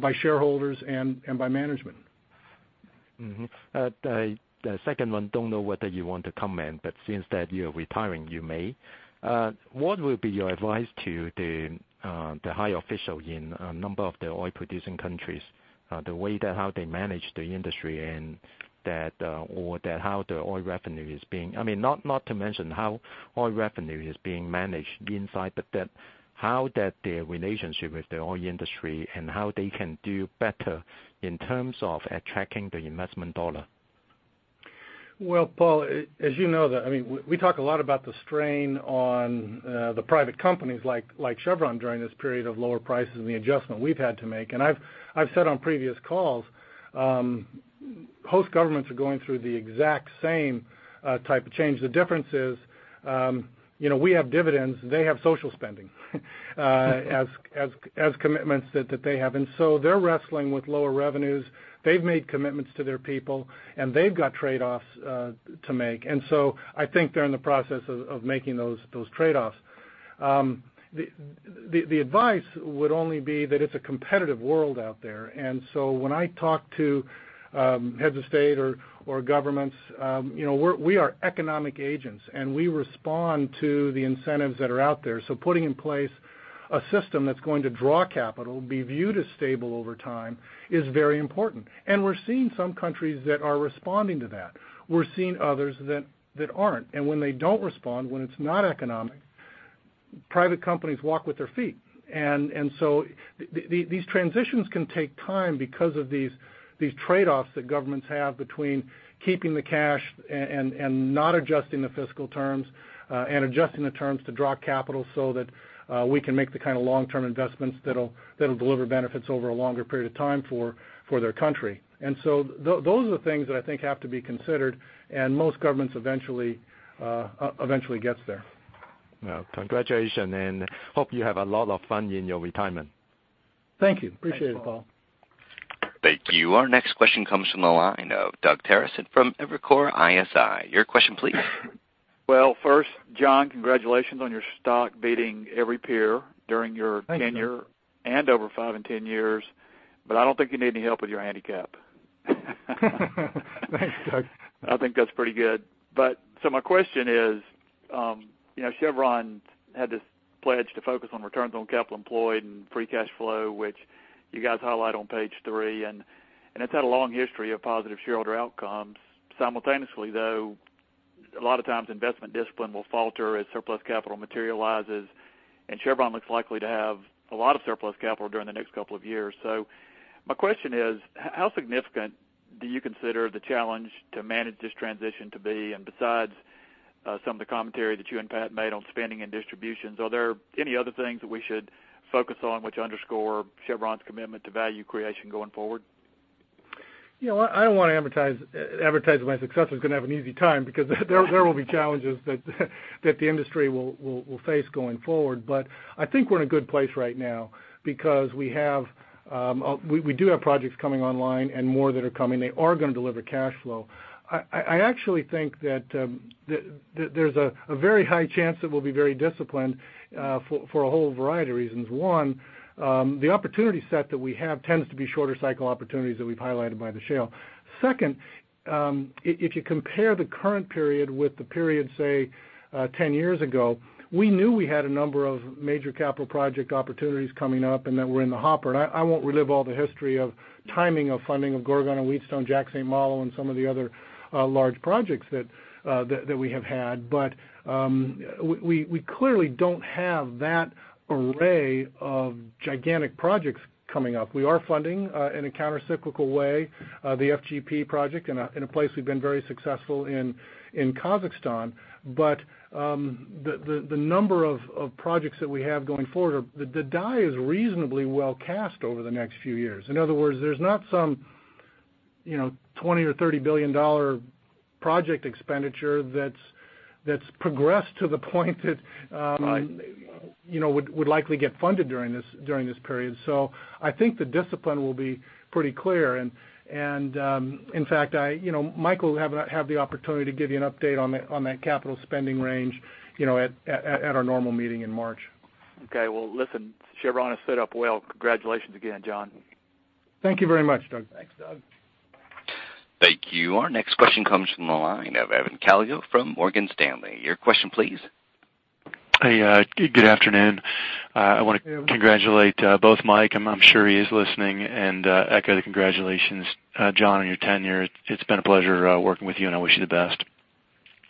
by shareholders and by management. The second one, don't know whether you want to comment, but since that you're retiring, you may. What will be your advice to the high official in a number of the oil producing countries, the way that how they manage the industry and that or that how the oil revenue is being managed inside, but that how that their relationship with the oil industry and how they can do better in terms of attracting the investment dollar? Well, Paul, as you know, we talk a lot about the strain on the private companies like Chevron during this period of lower prices and the adjustment we've had to make. I've said on previous calls. Host governments are going through the exact same type of change. The difference is we have dividends, they have social spending as commitments that they have. They're wrestling with lower revenues. They've made commitments to their people, and they've got trade-offs to make. I think they're in the process of making those trade-offs. The advice would only be that it's a competitive world out there. When I talk to heads of state or governments, we are economic agents, and we respond to the incentives that are out there. Putting in place a system that's going to draw capital, be viewed as stable over time is very important. We're seeing some countries that are responding to that. We're seeing others that aren't. When they don't respond, when it's not economic, private companies walk with their feet. These transitions can take time because of these trade-offs that governments have between keeping the cash and not adjusting the fiscal terms, and adjusting the terms to draw capital so that we can make the kind of long-term investments that'll deliver benefits over a longer period of time for their country. Those are the things that I think have to be considered, and most governments eventually gets there. Well, congratulations, and hope you have a lot of fun in your retirement. Thank you. Appreciate it, Paul. Thank you. Our next question comes from the line of Doug Terreson from Evercore ISI. Your question, please. Well, first, John, congratulations on your stock beating every peer during your tenure. Thank you. Over five and 10 years. I don't think you need any help with your handicap. Thanks, Doug. I think that's pretty good. My question is, Chevron had this pledge to focus on returns on capital employed and free cash flow, which you guys highlight on page three, it's had a long history of positive shareholder outcomes. Simultaneously, though, a lot of times investment discipline will falter as surplus capital materializes, Chevron looks likely to have a lot of surplus capital during the next couple of years. My question is, how significant do you consider the challenge to manage this transition to be? Besides some of the commentary that you and Pat made on spending and distributions, are there any other things that we should focus on which underscore Chevron's commitment to value creation going forward? I don't want to advertise my successor's going to have an easy time because there will be challenges that the industry will face going forward. I think we're in a good place right now because we do have projects coming online and more that are coming. They are going to deliver cash flow. I actually think that there's a very high chance that we'll be very disciplined for a whole variety of reasons. One, the opportunity set that we have tends to be shorter cycle opportunities that we've highlighted by the shale. Second, if you compare the current period with the period, say, 10 years ago, we knew we had a number of major capital project opportunities coming up and that were in the hopper. I won't relive all the history of timing of funding of Gorgon and Wheatstone, Jack/St. Malo, and some of the other large projects that we have had. We clearly don't have that array of gigantic projects coming up. We are funding in a countercyclical way the FGP project in a place we've been very successful in, Kazakhstan. The number of projects that we have going forward, the die is reasonably well cast over the next few years. In other words, there's not some $20 billion or $30 billion project expenditure that's progressed to the point that would likely get funded during this period. I think the discipline will be pretty clear. In fact, Mike will have the opportunity to give you an update on that capital spending range at our normal meeting in March. Listen, Chevron has set up well. Congratulations again, John. Thank you very much, Doug. Thanks, Doug. Thank you. Our next question comes from the line of Evan Calio from Morgan Stanley. Your question, please. Hey, good afternoon. I want to congratulate both Mike, I'm sure he is listening, and echo the congratulations, John, on your tenure. It's been a pleasure working with you, and I wish you the best.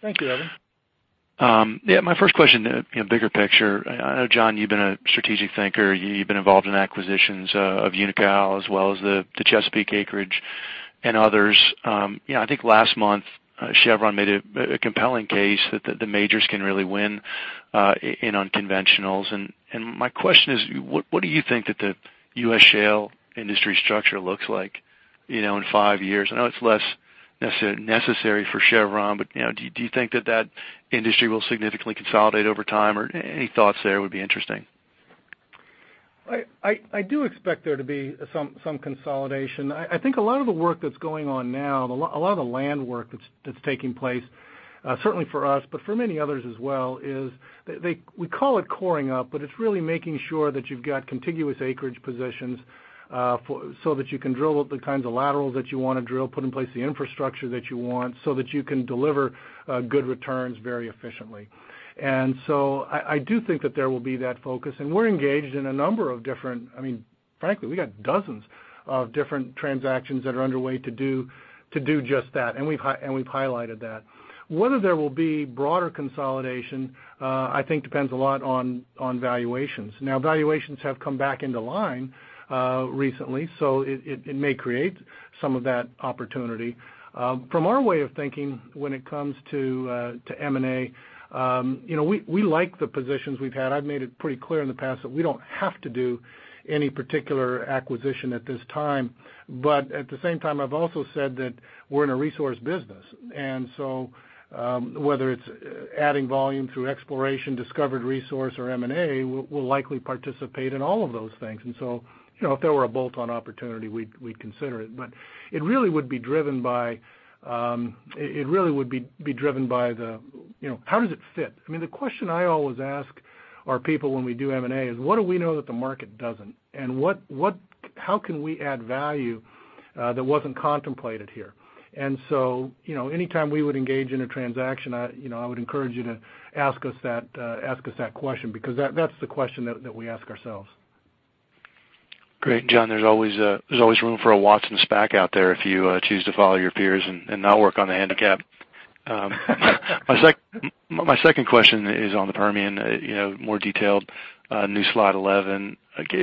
Thank you, Evan. Yeah. My first question, bigger picture. I know, John, you've been a strategic thinker. You've been involved in acquisitions of Unocal as well as the Chesapeake acreage and others. I think last month Chevron made a compelling case that the majors can really win in unconventionals. My question is, what do you think that the U.S. shale industry structure looks like in five years? I know it's less necessary for Chevron, but do you think that that industry will significantly consolidate over time? Any thoughts there would be interesting. I do expect there to be some consolidation. I think a lot of the work that's going on now, a lot of the land work that's taking place certainly for us, but for many others as well, is we call it coring up, but it's really making sure that you've got contiguous acreage positions so that you can drill the kinds of laterals that you want to drill, put in place the infrastructure that you want, so that you can deliver good returns very efficiently. I do think that there will be that focus, and we're engaged in a number of different, I mean, frankly, we got dozens of different transactions that are underway to do just that, and we've highlighted that. Whether there will be broader consolidation, I think depends a lot on valuations. Valuations have come back into line recently, it may create some of that opportunity. From our way of thinking when it comes to M&A, we like the positions we've had. I've made it pretty clear in the past that we don't have to do any particular acquisition at this time. At the same time, I've also said that we're in a resource business. Whether it's adding volume through exploration, discovered resource or M&A, we'll likely participate in all of those things. If there were a bolt-on opportunity, we'd consider it. It really would be driven by how does it fit. I mean, the question I always ask our people when we do M&A is, what do we know that the market doesn't? How can we add value that wasn't contemplated here? Anytime we would engage in a transaction, I would encourage you to ask us that question because that's the question that we ask ourselves. Great. John, there's always room for a Watson SPAC out there if you choose to follow your peers and not work on the handicap. My second question is on the Permian, more detailed, new slide 11.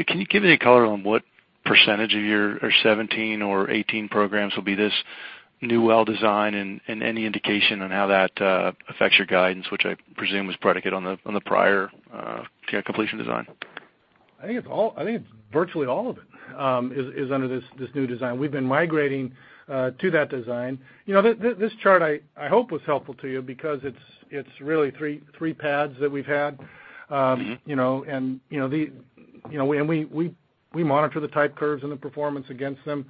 Can you give any color on what % of your 17 or 18 programs will be this new well design and any indication on how that affects your guidance, which I presume was predicated on the prior completion design? I think virtually all of it is under this new design. We've been migrating to that design. This chart I hope was helpful to you because it's really three paths that we've had. We monitor the type curves and the performance against them.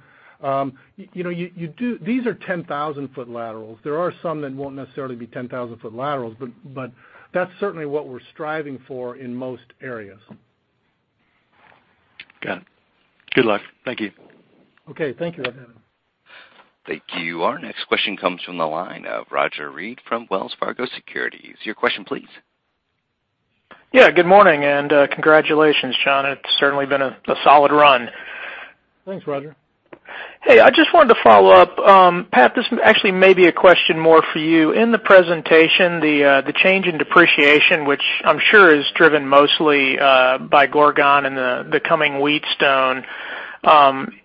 These are 10,000-foot laterals. There are some that won't necessarily be 10,000-foot laterals, but that's certainly what we're striving for in most areas. Got it. Good luck. Thank you. Okay. Thank you, Evan. Thank you. Our next question comes from the line of Roger Read from Wells Fargo Securities. Your question please. Yeah, good morning and congratulations, John. It's certainly been a solid run. Thanks, Roger. Hey, I just wanted to follow up. Pat, this actually may be a question more for you. In the presentation, the change in depreciation, which I'm sure is driven mostly by Gorgon and the coming Wheatstone,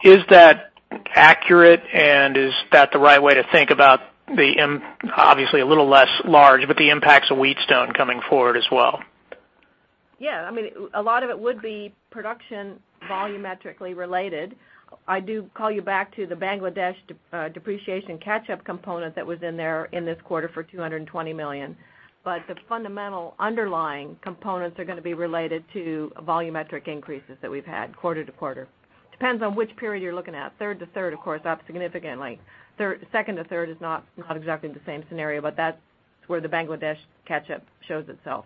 is that accurate, and is that the right way to think about the, obviously a little less large, but the impacts of Wheatstone coming forward as well? Yeah. I mean, a lot of it would be production volumetrically related. I do call you back to the Bangladesh depreciation catch-up component that was in there in this quarter for $220 million. The fundamental underlying components are going to be related to volumetric increases that we've had quarter to quarter. Depends on which period you're looking at. Third to third, of course, up significantly. Second to third is not exactly the same scenario, but that's where the Bangladesh catch-up shows itself.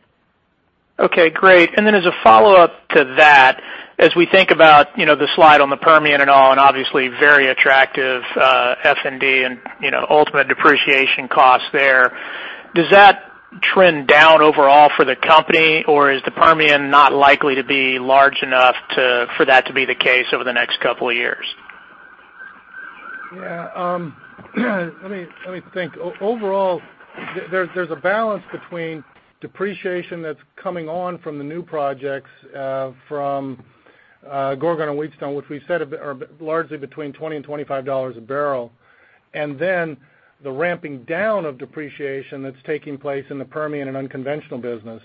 Okay, great. As a follow-up to that, as we think about the slide on the Permian and all, obviously very attractive F&D and ultimate depreciation cost there, does that trend down overall for the company? Is the Permian not likely to be large enough for that to be the case over the next couple of years? Yeah. Let me think. Overall, there's a balance between depreciation that's coming on from the new projects from Gorgon and Wheatstone, which we've said are largely between $20-$25 a barrel. The ramping down of depreciation that's taking place in the Permian and unconventional business.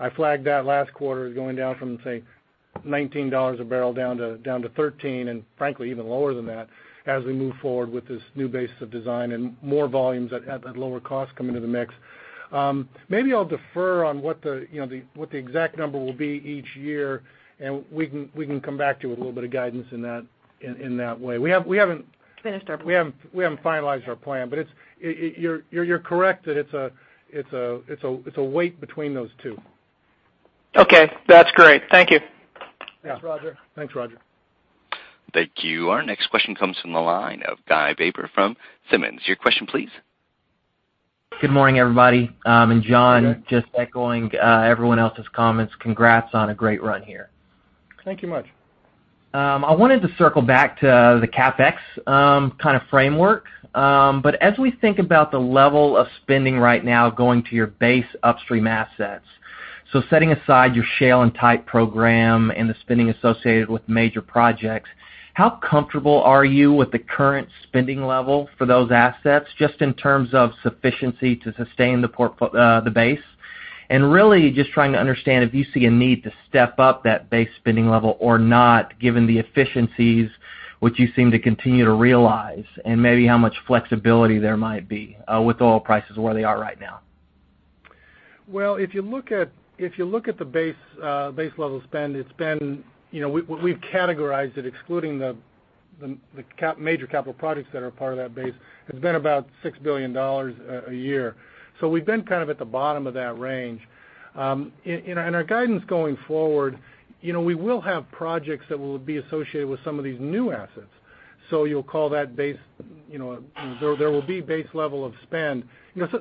I flagged that last quarter as going down from, say, $19 a barrel down to $13, and frankly, even lower than that as we move forward with this new basis of design and more volumes at lower cost come into the mix. Maybe I'll defer on what the exact number will be each year, and we can come back to you with a little bit of guidance in that way. We haven't- Finished our plan We haven't finalized our plan, you're correct that it's a weight between those two. Okay. That's great. Thank you. Yeah. Thanks, Roger. Thanks, Roger. Thank you. Our next question comes from the line of Guy Baber from Simmons. Your question, please. Good morning, everybody. Hey, Guy. John, just echoing everyone else's comments, congrats on a great run here. Thank you much. I wanted to circle back to the CapEx kind of framework. As we think about the level of spending right now going to your base upstream assets, so setting aside your shale and type program and the spending associated with major projects, how comfortable are you with the current spending level for those assets, just in terms of sufficiency to sustain the base? Really just trying to understand if you see a need to step up that base spending level or not, given the efficiencies which you seem to continue to realize, and maybe how much flexibility there might be with oil prices where they are right now. Well, if you look at the base level spend, we've categorized it excluding the major capital projects that are part of that base. It's been about $6 billion a year. We've been kind of at the bottom of that range. Our guidance going forward, we will have projects that will be associated with some of these new assets. There will be base level of spend.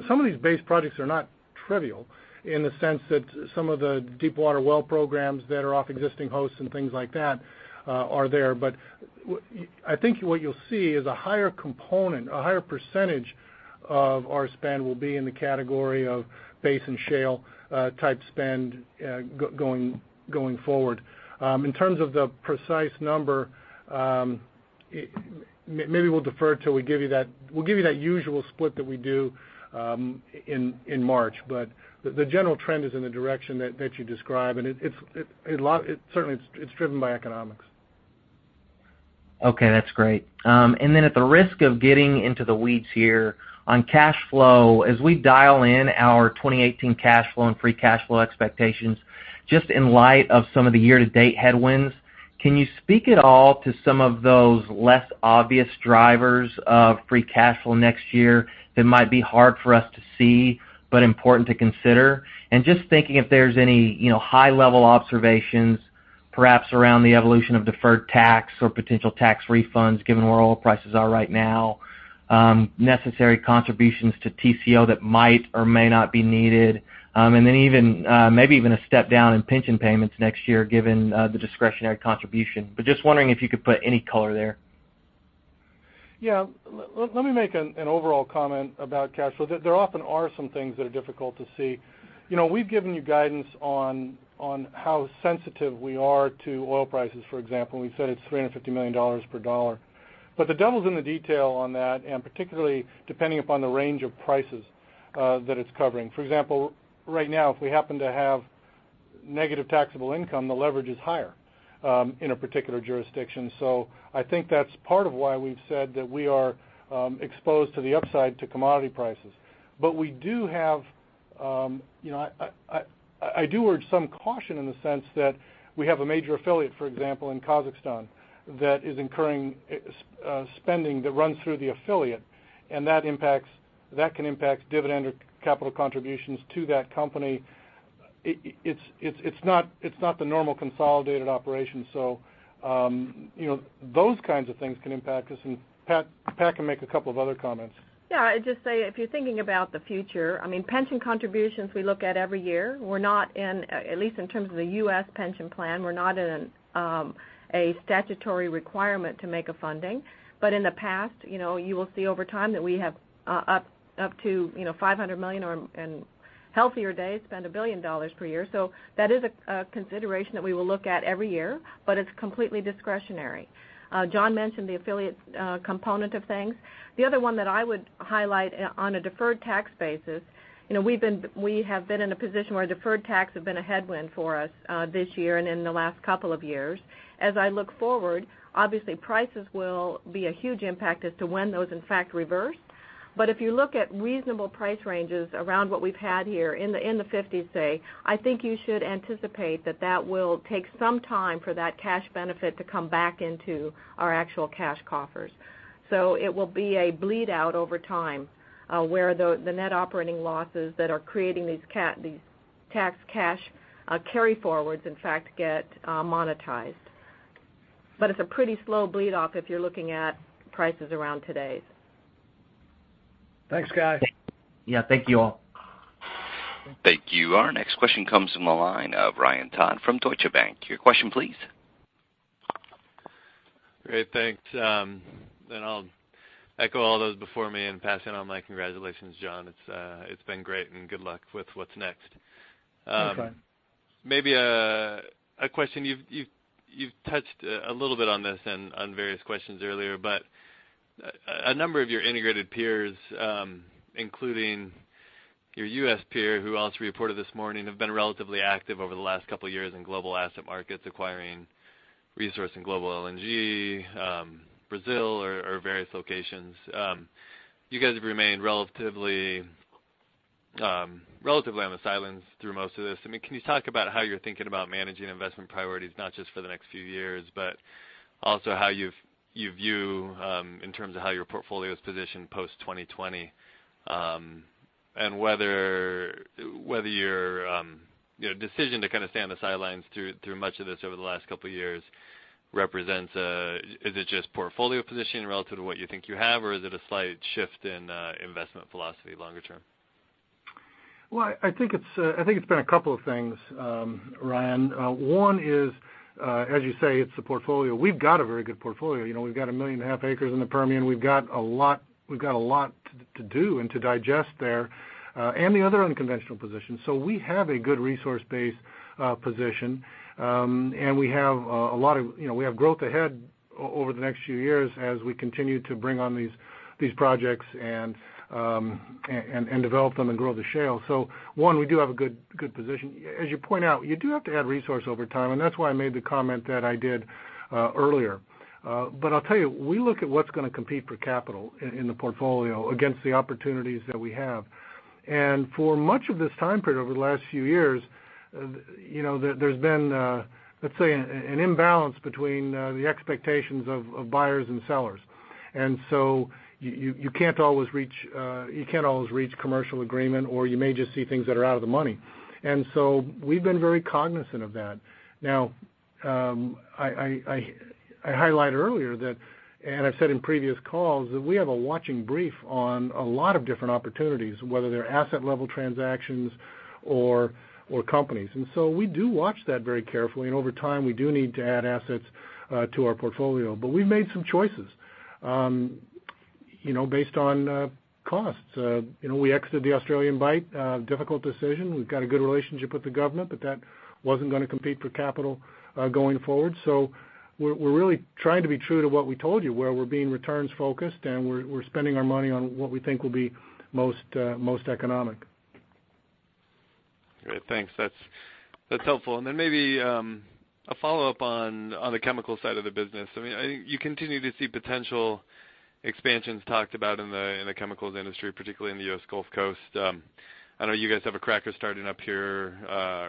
Some of these base projects are not trivial in the sense that some of the deep water well programs that are off existing hosts and things like that are there. I think what you'll see is a higher component, a higher percentage of our spend will be in the category of basin shale type spend going forward. In terms of the precise number, maybe we'll defer till we give you that usual split that we do in March. The general trend is in the direction that you describe, certainly it's driven by economics. Okay. That's great. At the risk of getting into the weeds here, on cash flow, as we dial in our 2018 cash flow and free cash flow expectations, just in light of some of the year-to-date headwinds, can you speak at all to some of those less obvious drivers of free cash flow next year that might be hard for us to see but important to consider? Just thinking if there's any high level observations, perhaps around the evolution of deferred tax or potential tax refunds, given where oil prices are right now, necessary contributions to TCO that might or may not be needed, and then maybe even a step down in pension payments next year given the discretionary contribution. Just wondering if you could put any color there. Yeah. Let me make an overall comment about cash flow. There often are some things that are difficult to see. We've given you guidance on how sensitive we are to oil prices, for example. We said it's $350 million per dollar. The devil's in the detail on that, and particularly depending upon the range of prices that it's covering. For example, right now, if we happen to have negative taxable income, the leverage is higher in a particular jurisdiction. I think that's part of why we've said that we are exposed to the upside to commodity prices. I do urge some caution in the sense that we have a major affiliate, for example, in Kazakhstan, that is incurring spending that runs through the affiliate, and that can impact dividend or capital contributions to that company. It's not the normal consolidated operation. Those kinds of things can impact us, and Pat can make a couple of other comments. Yeah. I'd just say, if you're thinking about the future, pension contributions we look at every year. At least in terms of the U.S. pension plan, we're not in a statutory requirement to make a funding. In the past, you will see over time that we have up to $500 million, or in healthier days, spent $1 billion per year. That is a consideration that we will look at every year, but it's completely discretionary. John mentioned the affiliate component of things. The other one that I would highlight on a deferred tax basis, we have been in a position where deferred tax have been a headwind for us this year and in the last couple of years. As I look forward, obviously prices will be a huge impact as to when those in fact reverse. If you look at reasonable price ranges around what we've had here in the 50s, say, I think you should anticipate that that will take some time for that cash benefit to come back into our actual cash coffers. It will be a bleed-out over time where the net operating losses that are creating these tax loss carryforwards in fact get monetized. It's a pretty slow bleed off if you're looking at prices around today's. Thanks, guys. Yeah. Thank you all. Thank you. Our next question comes from the line of Ryan Todd from Deutsche Bank. Your question please. Great. Thanks. I'll echo all those before me and pass on all my congratulations, John. It's been great, and good luck with what's next. Thanks, Ryan. Maybe a question, you've touched a little bit on this on various questions earlier, but a number of your integrated peers including your U.S. peer who also reported this morning, have been relatively active over the last couple of years in global asset markets, acquiring resource and global LNG, Brazil or various locations. You guys have remained relatively on the sidelines through most of this. Can you talk about how you're thinking about managing investment priorities not just for the next few years, but also how you view in terms of how your portfolio is positioned post 2020, and whether your decision to kind of stay on the sidelines through much of this over the last couple of years represents a, is it just portfolio positioning relative to what you think you have or is it a slight shift in investment philosophy longer term? Well, I think it's been a couple of things, Ryan. One is, as you say, it's the portfolio. We've got a very good portfolio. We've got a million and a half acres in the Permian. We've got a lot to do and to digest there, and the other unconventional positions. We have a good resource base position. We have growth ahead over the next few years as we continue to bring on these projects and develop them and grow the shale. One, we do have a good position. As you point out, you do have to add resource over time, and that's why I made the comment that I did earlier. I'll tell you, we look at what's going to compete for capital in the portfolio against the opportunities that we have. For much of this time period over the last few years, there's been, let's say, an imbalance between the expectations of buyers and sellers. You can't always reach commercial agreement, or you may just see things that are out of the money. We've been very cognizant of that. Now I highlighted earlier that, and I've said in previous calls, that we have a watching brief on a lot of different opportunities, whether they're asset-level transactions or companies. We do watch that very carefully, and over time, we do need to add assets to our portfolio. We've made some choices based on costs. We exited the Australian Bight, a difficult decision. We've got a good relationship with the government, that wasn't going to compete for capital going forward. We're really trying to be true to what we told you, where we're being returns-focused and we're spending our money on what we think will be most economic. Great. Thanks. That's helpful. Then maybe a follow-up on the chemical side of the business. You continue to see potential expansions talked about in the chemicals industry, particularly in the U.S. Gulf Coast. I know you guys have a cracker starting up here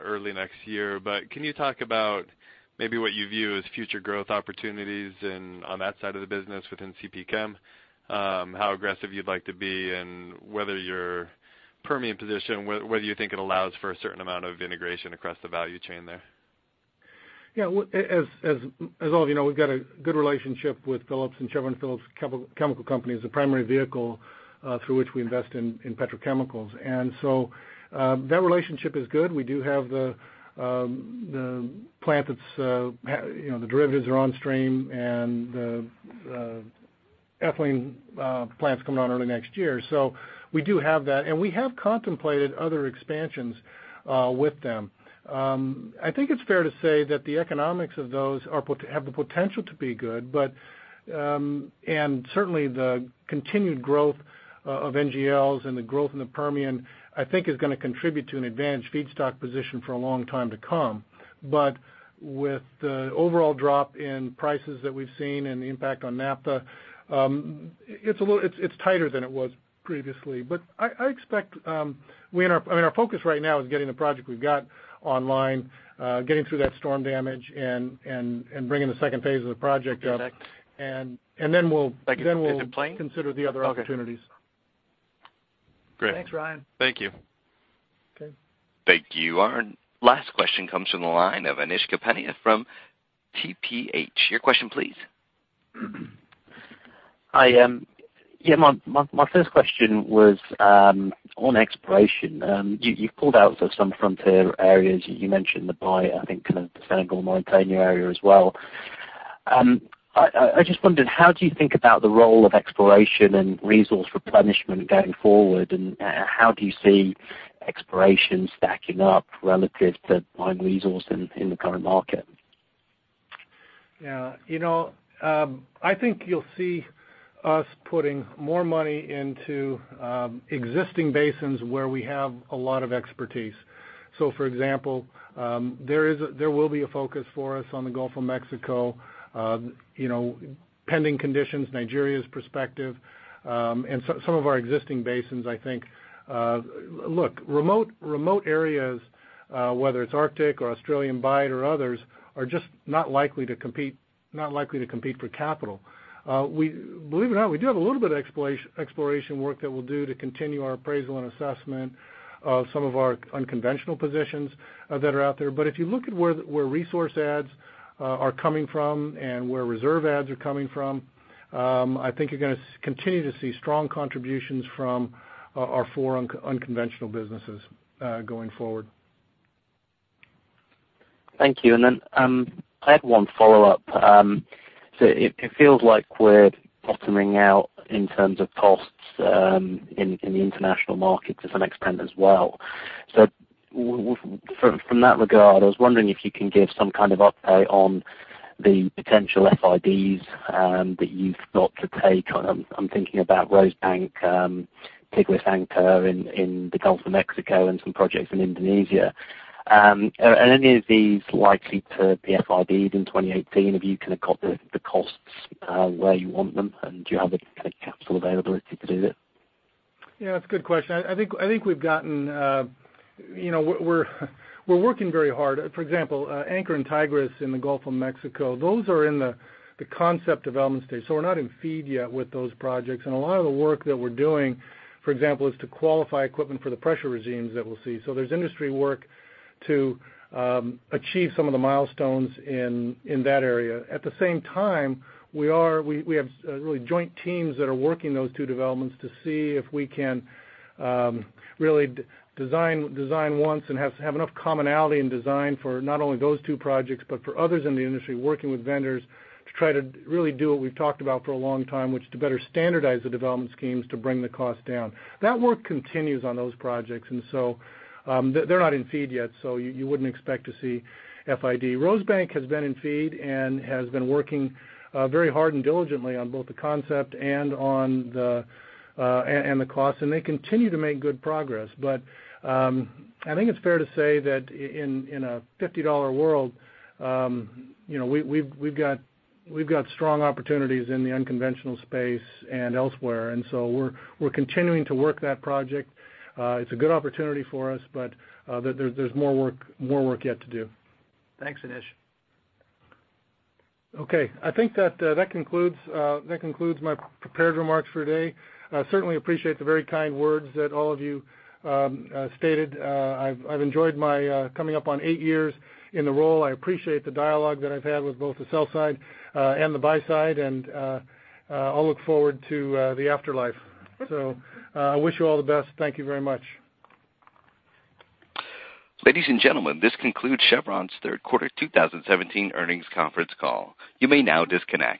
early next year, can you talk about maybe what you view as future growth opportunities and on that side of the business within CPChem? How aggressive you'd like to be and whether your Permian position, whether you think it allows for a certain amount of integration across the value chain there. Yeah. As all of you know, we've got a good relationship with Phillips and Chevron Phillips Chemical Company as the primary vehicle through which we invest in petrochemicals. That relationship is good. We do have the plant that the derivatives are on stream and the ethylene plant's coming on early next year. We do have that, and we have contemplated other expansions with them. I think it's fair to say that the economics of those have the potential to be good, and certainly the continued growth of NGLs and the growth in the Permian, I think is going to contribute to an advantage feedstock position for a long time to come. With the overall drop in prices that we've seen and the impact on naphtha, it's tighter than it was previously. Our focus right now is getting the project we've got online, getting through that storm damage and bringing the second phase of the project up. Okay. And then we'll- Is it playing? -consider the other opportunities. Okay. Great. Thanks, Ryan. Thank you. Okay. Thank you. Our last question comes from the line of Anish Kapadia from TPH. Your question, please. Hi. Yeah, my first question was on exploration. You've pulled out of some frontier areas. You mentioned the Bight, I think the Senegal-Mauritania area as well. I just wondered, how do you think about the role of exploration and resource replenishment going forward, and how do you see exploration stacking up relative to buying resources in the current market? Yeah. I think you'll see us putting more money into existing basins where we have a lot of expertise. For example, there will be a focus for us on the Gulf of Mexico pending conditions, Nigeria's perspective, and some of our existing basins, I think. Look, remote areas, whether it's Arctic or Australian Bight or others, are just not likely to compete for capital. Believe it or not, we do have a little bit of exploration work that we'll do to continue our appraisal and assessment of some of our unconventional positions that are out there. If you look at where resource adds are coming from and where reserve adds are coming from, I think you're going to continue to see strong contributions from our four unconventional businesses going forward. Thank you. I had one follow-up. It feels like we're bottoming out in terms of costs in the international market to some extent as well. From that regard, I was wondering if you can give some kind of update on the potential FIDs that you've got to take. I'm thinking about Rosebank, Tigris, Anchor in the Gulf of Mexico, and some projects in Indonesia. Are any of these likely to be FID-ed in 2018? Have you kind of got the costs where you want them, and do you have the capital availability to do it? Yeah, that's a good question. I think we're working very hard. For example, Anchor and Tigris in the Gulf of Mexico, those are in the concept development stage, we're not in feed yet with those projects. A lot of the work that we're doing, for example, is to qualify equipment for the pressure regimes that we'll see. There's industry work to achieve some of the milestones in that area. At the same time, we have joint teams that are working those two developments to see if we can really design once and have enough commonality in design for not only those two projects, but for others in the industry, working with vendors to try to really do what we've talked about for a long time, which is to better standardize the development schemes to bring the cost down. That work continues on those projects, they're not in feed yet, you wouldn't expect to see FID. Rosebank has been in feed and has been working very hard and diligently on both the concept and the cost, and they continue to make good progress. I think it's fair to say that in a $50 world, we've got strong opportunities in the unconventional space and elsewhere. We're continuing to work that project. It's a good opportunity for us, there's more work yet to do. Thanks, Anish. Okay. I think that concludes my prepared remarks for today. I certainly appreciate the very kind words that all of you stated. I've enjoyed my coming up on eight years in the role. I appreciate the dialogue that I've had with both the sell side and the buy side, and I'll look forward to the afterlife. I wish you all the best. Thank you very much. Ladies and gentlemen, this concludes Chevron's third quarter 2017 earnings conference call. You may now disconnect.